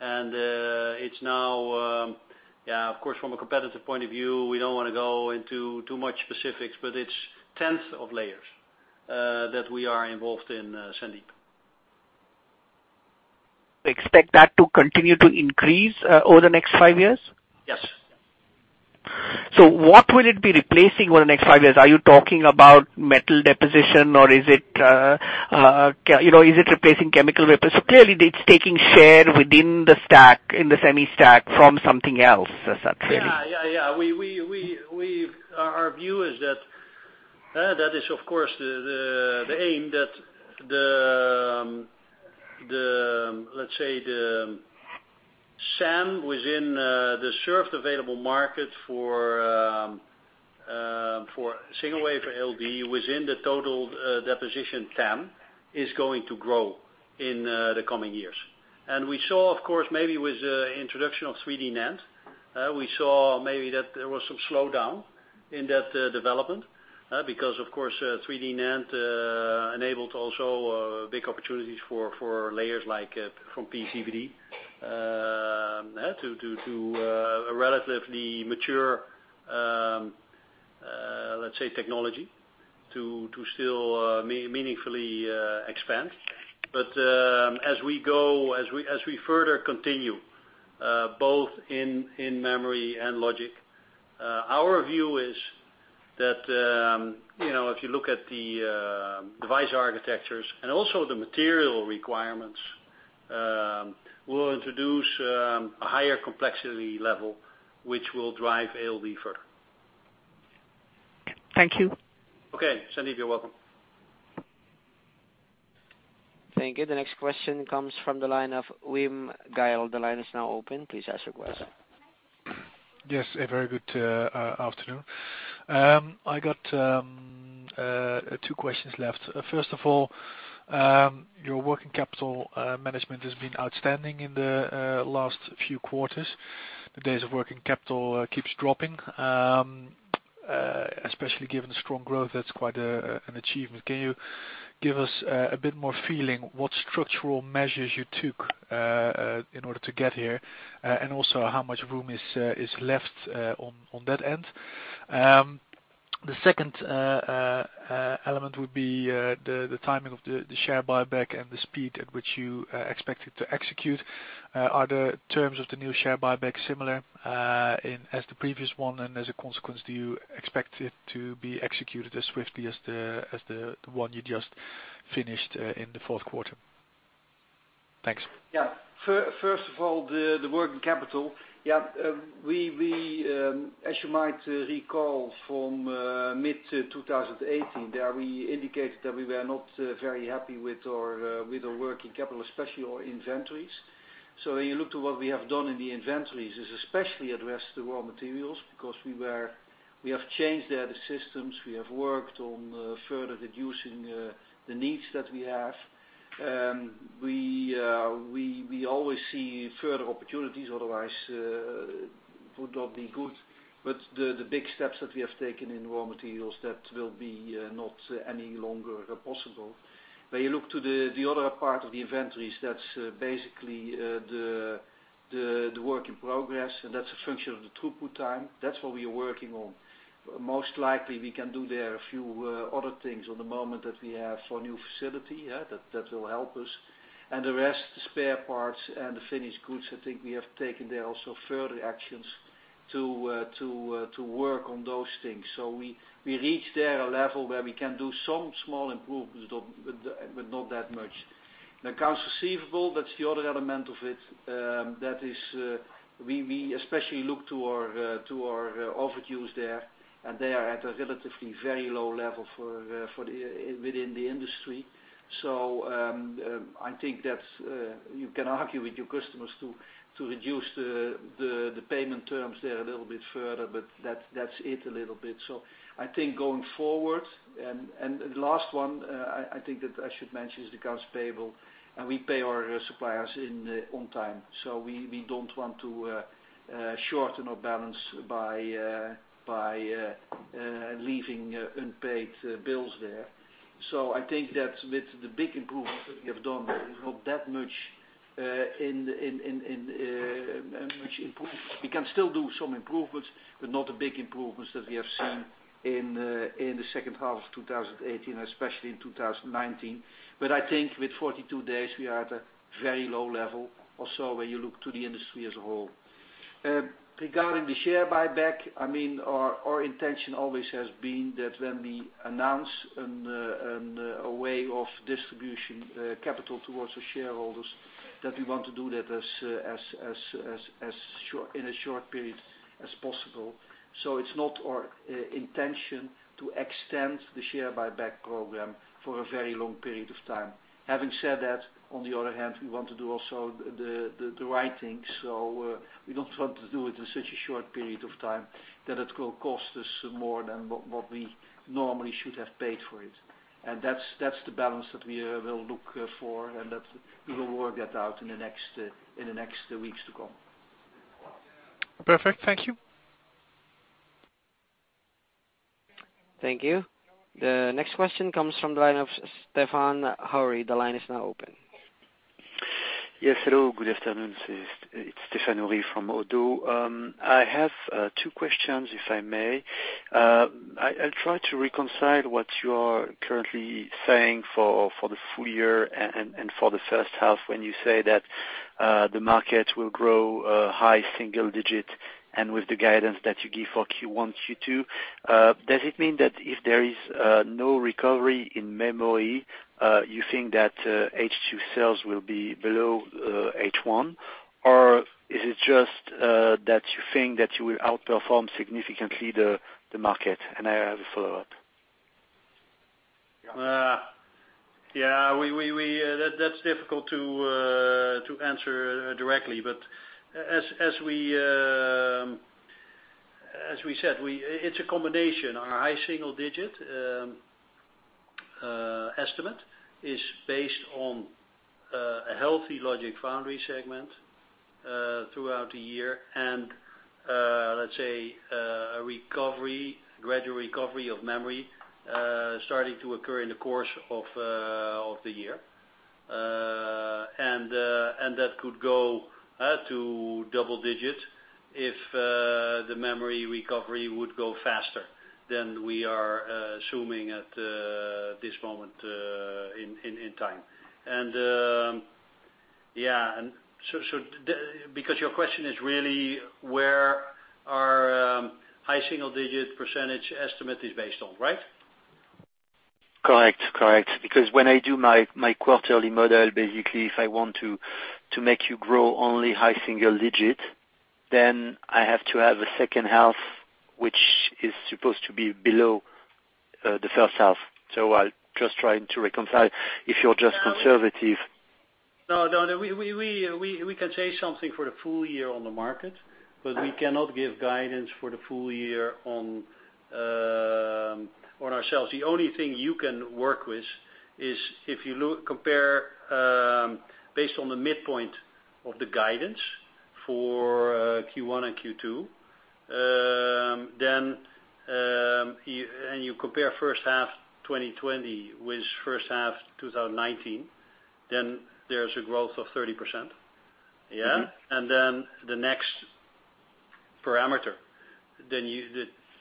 It's now, of course, from a competitive point of view, we don't want to go into too much specifics, but it's tens of layers that we are involved in, Sandeep. Expect that to continue to increase over the next five years? Yes. So what will it be replacing over the next five years? Are you talking about metal deposition or is it replacing chemical wafers? Clearly, it's taking share within the stack, in the semi stack from something else. Is that fair? Our view is that is, of course, the aim that let's say, the SAM within the served available market for single-wafer ALD within the total deposition TAM is going to grow in the coming years. We saw, of course, maybe with the introduction of 3D NAND, we saw maybe that there was some slowdown in that development. Of course, 3D NAND enabled also big opportunities for layers from PECVD, to a relatively mature, let's say, technology to still meaningfully expand. As we further continue, both in memory and logic, our view is that, if you look at the device architectures and also the material requirements, we'll introduce a higher complexity level, which will drive ALD further. Thank you. Okay. Sandeep, you're welcome. Thank you. The next question comes from the line of Wim Gille. The line is now open, please ask your question. Yes, a very good afternoon. I got two questions left. First of all, your working capital management has been outstanding in the last few quarters. The days of working capital keeps dropping. Especially given the strong growth, that's quite an achievement. Can you give us a bit more feeling what structural measures you took in order to get here? Also, how much room is left on that end? The second element would be, the timing of the share buyback and the speed at which you expect it to execute. Are the terms of the new share buyback similar as the previous one? As a consequence, do you expect it to be executed as swiftly as the one you just finished in the fourth quarter? Thanks. First of all, the working capital. As you might recall from mid-2018, there we indicated that we were not very happy with our working capital, especially our inventories. When you look to what we have done in the inventories, is especially addressed the raw materials because we have changed there the systems. We have worked on further reducing the needs that we have. We always see further opportunities, otherwise it would not be good. The big steps that we have taken in raw materials, that will be not any longer possible. When you look to the other part of the inventories, that's basically the work in progress, and that's a function of the throughput time. That's what we are working on. Most likely we can do there a few other things on the moment that we have for a new facility, that will help us. The rest, spare parts and the finished goods, I think we have taken there also further actions to work on those things. We reach there a level where we can do some small improvements, but not that much. The accounts receivable, that's the other element of it. We especially look to our overdues there, and they are at a relatively very low level within the industry. I think that you can argue with your customers to reduce the payment terms there a little bit further, but that's it a little bit. I think going forward, and the last one, I think that I should mention, is the accounts payable, and we pay our suppliers on time. We don't want to shorten our balance by leaving unpaid bills there. I think that with the big improvements that we have done, there is not that much improvement. We can still do some improvements, but not the big improvements that we have seen in the second half of 2018 and especially in 2019. I think with 42 days, we are at a very low level or so when you look to the industry as a whole. Regarding the share buyback, our intention always has been that when we announce a way of distribution capital towards the shareholders, that we want to do that in a short period as possible. It's not our intention to extend the share buyback program for a very long period of time. Having said that, on the other hand, we want to do also the right thing. We don't want to do it in such a short period of time that it will cost us more than what we normally should have paid for it. That's the balance that we will look for, and that we will work that out in the next weeks to come. Perfect. Thank you. Thank you. The next question comes from the line of Stephane Houri. The line is now open. Yes, hello. Good afternoon. It's Stephane Houri from Oddo BHF. I have two questions, if I may. I try to reconcile what you are currently saying for the full year and for the first half when you say that the market will grow high single digit and with the guidance that you give for Q1, Q2. Does it mean that if there is no recovery in memory, you think that H2 sales will be below H1? Or is it just that you think that you will outperform significantly the market? I have a follow-up. That's difficult to answer directly. As we said, it's a combination. Our high single-digit estimate is based on a healthy Logic Foundry segment, throughout the year and let's say a gradual recovery of memory starting to occur in the course of the year. That could go to double digit if the memory recovery would go faster than we are assuming at this moment in time. Your question is really where our high single-digit percentage estimate is based on, right? Correct, correct. When I do my quarterly model, basically, if I want to make you grow only high single digit, then I have to have a second half, which is supposed to be below the first half. I'll just trying to reconcile if you're just conservative. We can say something for the full year on the market, but we cannot give guidance for the full year on our sales. The only thing you can work with is if you compare based on the midpoint of the guidance for Q1 and Q2, and you compare first half 2020 with first half 2019, then there's a growth of 30%. Yeah? The next parameter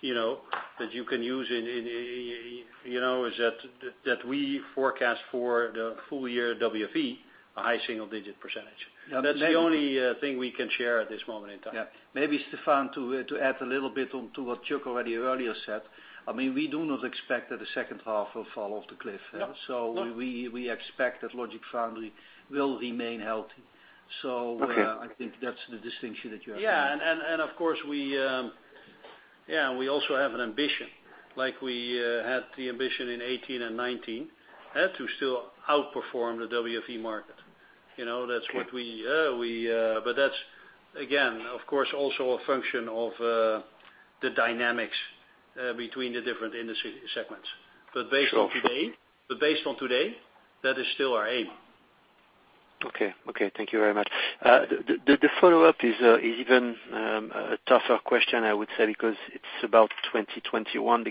that you can use is that we forecast for the full year WFE a high single-digit percent. That's the only thing we can share at this moment in time. Yeah. Maybe, Stephane, to add a little bit onto what Chuck already earlier said. We do not expect that the second half will fall off the cliff. No. We expect that Logic Foundry will remain healthy. Okay. I think that's the distinction that you have. Yeah. Of course, we also have an ambition, like we had the ambition in 2018 and 2019, to still outperform the WFE market. Okay. That's, again, of course, also a function of- The dynamics between the different industry segments. Based on today, that is still our aim. Okay. Thank you very much. The follow-up is even a tougher question, I would say, because it's about 2021.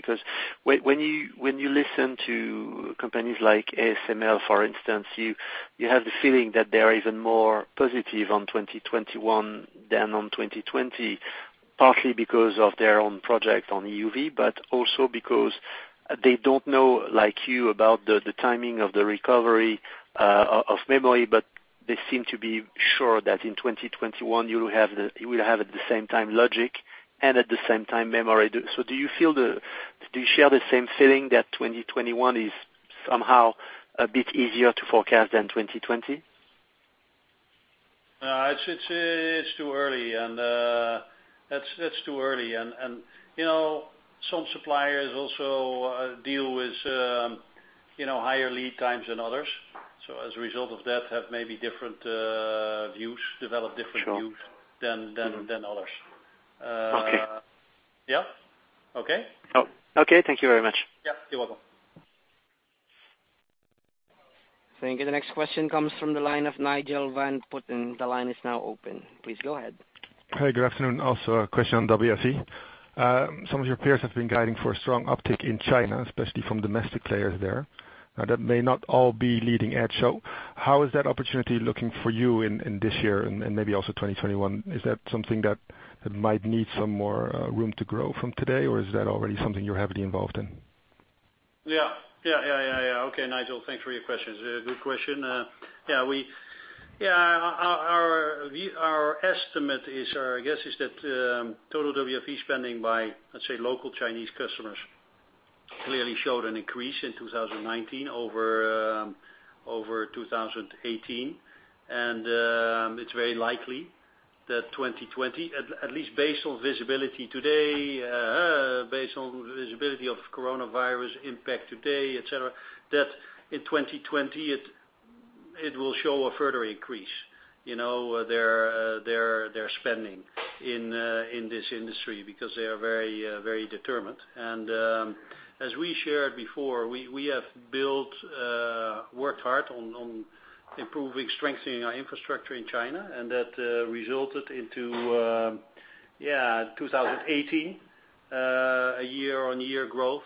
When you listen to companies like ASML, for instance, you have the feeling that they're even more positive on 2021 than on 2020, partly because of their own project on EUV, but also because they don't know, like you, about the timing of the recovery of memory, but they seem to be sure that in 2021, you will have at the same time logic and at the same time memory. Do you share the same feeling that 2021 is somehow a bit easier to forecast than 2020? No, it's too early. Some suppliers also deal with higher lead times than others. As a result of that, have maybe different views, develop different views than others. Okay. Yeah. Okay? Okay. Thank you very much. Yeah. You're welcome. Thank you. The next question comes from the line of Nigel van Putten. The line is now open. Please go ahead. Good afternoon. A question on WFE. Some of your peers have been guiding for a strong uptick in China, especially from domestic players there. That may not all be leading edge. How is that opportunity looking for you in this year and maybe also 2021? Is that something that might need some more room to grow from today, or is that already something you're heavily involved in? Okay, Nigel. Thanks for your question. Good question. Our estimate is, our guess is that total WFE spending by, let's say local Chinese customers, clearly showed an increase in 2019 over 2018. It's very likely that 2020, at least based on visibility today, based on visibility of coronavirus impact today, et cetera, that in 2020, it will show a further increase, their spending in this industry because they are very determined. As we shared before, we have worked hard on improving, strengthening our infrastructure in China, and that resulted into 2018, a year-on-year growth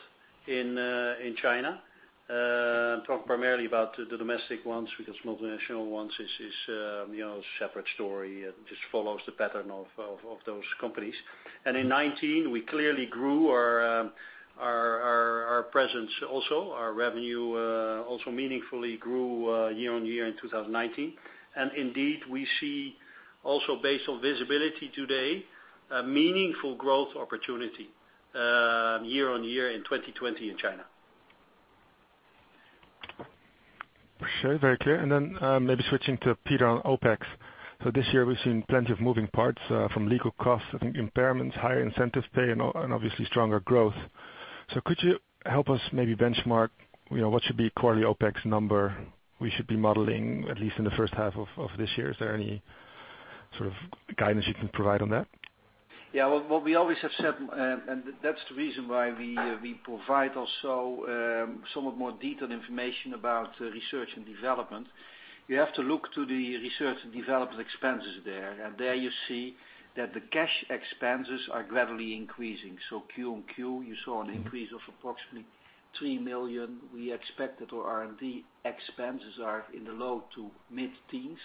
in China. I'm talking primarily about the domestic ones because multinational ones is a separate story. It just follows the pattern of those companies. In 2019, we clearly grew our presence also. Our revenue also meaningfully grew year-on-year in 2019. Indeed, we see also based on visibility today, a meaningful growth opportunity year-on-year in 2020 in China. For sure. Very clear. Maybe switching to Peter on OpEx. This year, we've seen plenty of moving parts, from legal costs, I think impairments, higher incentives pay and obviously stronger growth. Could you help us maybe benchmark what should be quarterly OpEx number we should be modeling, at least in the first half of this year? Is there any sort of guidance you can provide on that? Yeah. What we always have said, that's the reason why we provide also somewhat more detailed information about research and development. You have to look to the research and development expenses there. There you see that the cash expenses are gradually increasing. Q-on-Q, you saw an increase of approximately 3 million. We expect that our R&D expenses are in the low-to-mid teens.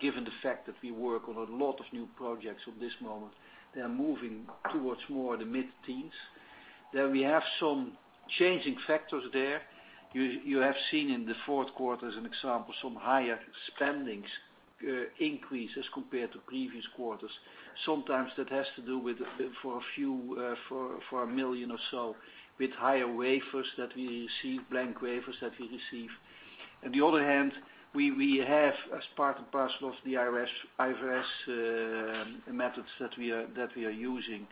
Given the fact that we work on a lot of new projects at this moment, they're moving towards more the mid-teens. We have some changing factors there. You have seen in the fourth quarter, as an example, some higher spendings increases compared to previous quarters. Sometimes that has to do with, for 1 million or so, with higher wafers that we receive, blank wafers that we receive. On the other hand, we have, as part and parcel of the IFRS methods that we are using,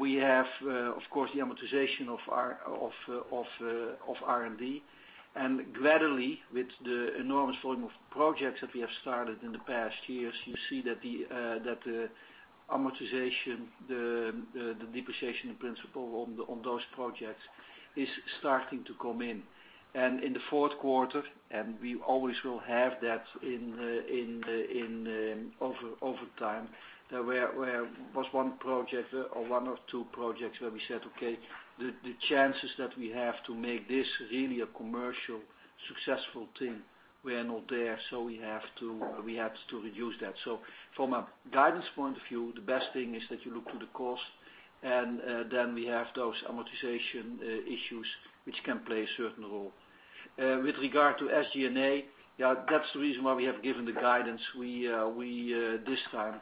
we have, of course, the amortization of R&D. Gradually, with the enormous volume of projects that we have started in the past years, you see that the amortization, the depreciation principle on those projects is starting to come in. In the fourth quarter, and we always will have that over time, there was one project or one or two projects where we said, okay, the chances that we have to make this really a commercial successful thing were not there, so we had to reduce that. From a guidance point of view, the best thing is that you look to the cost, and then we have those amortization issues, which can play a certain role. With regard to SG&A, that's the reason why we have given the guidance this time.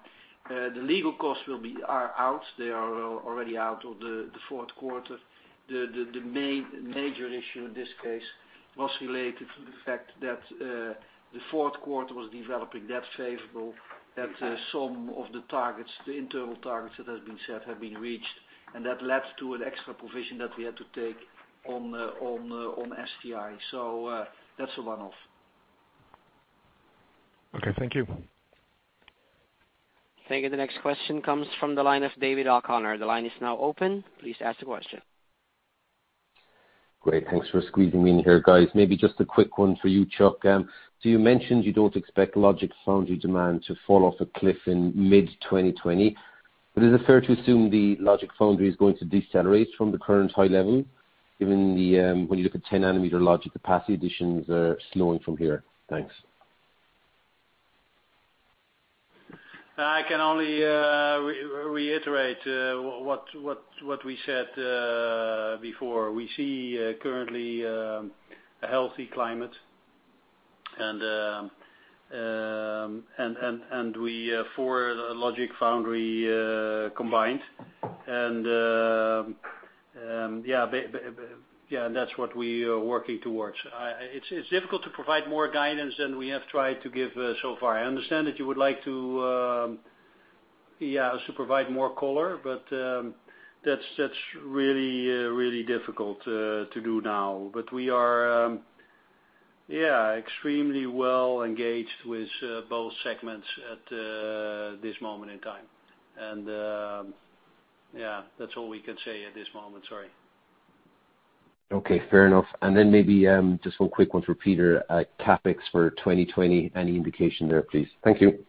The legal costs are out. They are already out of the fourth quarter. The major issue in this case was related to the fact that the fourth quarter was developing that favorable that some of the targets, the internal targets that have been set have been reached, and that led to an extra provision that we had to take on SG&A. That's a one-off. Okay. Thank you. Thank you. The next question comes from the line of David O'Connor. The line is now open. Please ask the question. Great. Thanks for squeezing me in here, guys. Maybe just a quick one for you, Chuck. You mentioned you don't expect Logic Foundry demand to fall off a cliff in mid-2020, is it fair to assume the Logic Foundry is going to decelerate from the current high level, given when you look at 10 nm large capacity additions are slowing from here? Thanks. I can only reiterate what we said before. We see currently a healthy climate and for Logic Foundry combined, and that's what we are working towards. It's difficult to provide more guidance than we have tried to give so far. I understand that you would like us to provide more color, but that's really difficult to do now. We are extremely well-engaged with both segments at this moment in time, and that's all we can say at this moment. Sorry. Okay. Fair enough. Maybe just one quick one for Peter. CapEx for 2020. Any indication there, please? Thank you.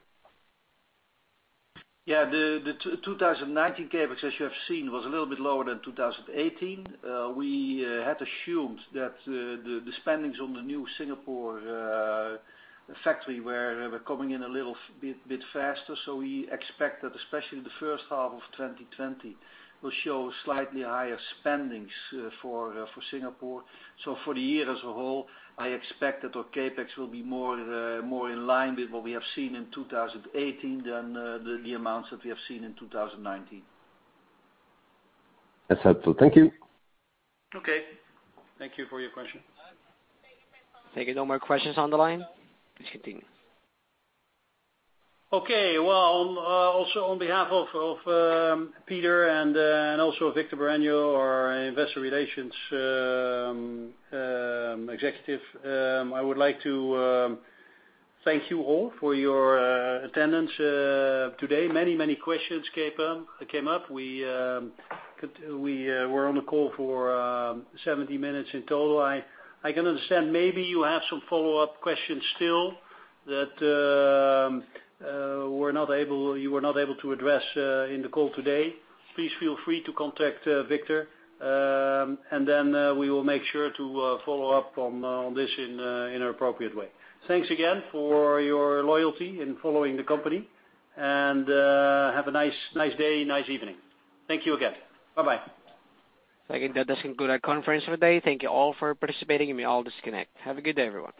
Yeah. The 2019 CapEx, as you have seen, was a little bit lower than 2018. We had assumed that the spendings on the new Singapore factory were coming in a little bit faster. We expect that especially the first half of 2020 will show slightly higher spendings for Singapore. For the year as a whole, I expect that our CapEx will be more in line with what we have seen in 2018 than the amounts that we have seen in 2019. That's helpful. Thank you. Okay. Thank you for your question. Thank you. No more questions on the line. Please continue. Okay. Well, also on behalf of Peter and also Victor Bareño, our investor relations executive, I would like to thank you all for your attendance today. Many questions came up. We were on the call for 70 minutes in total. I can understand maybe you have some follow-up questions still that you were not able to address in the call today. Please feel free to contact Victor. We will make sure to follow up on this in an appropriate way. Thanks again for your loyalty in following the company and have a nice day, nice evening. Thank you again. Bye-bye. Thank you. That does conclude our conference for the day. Thank you all for participating. You may all disconnect. Have a good day, everyone.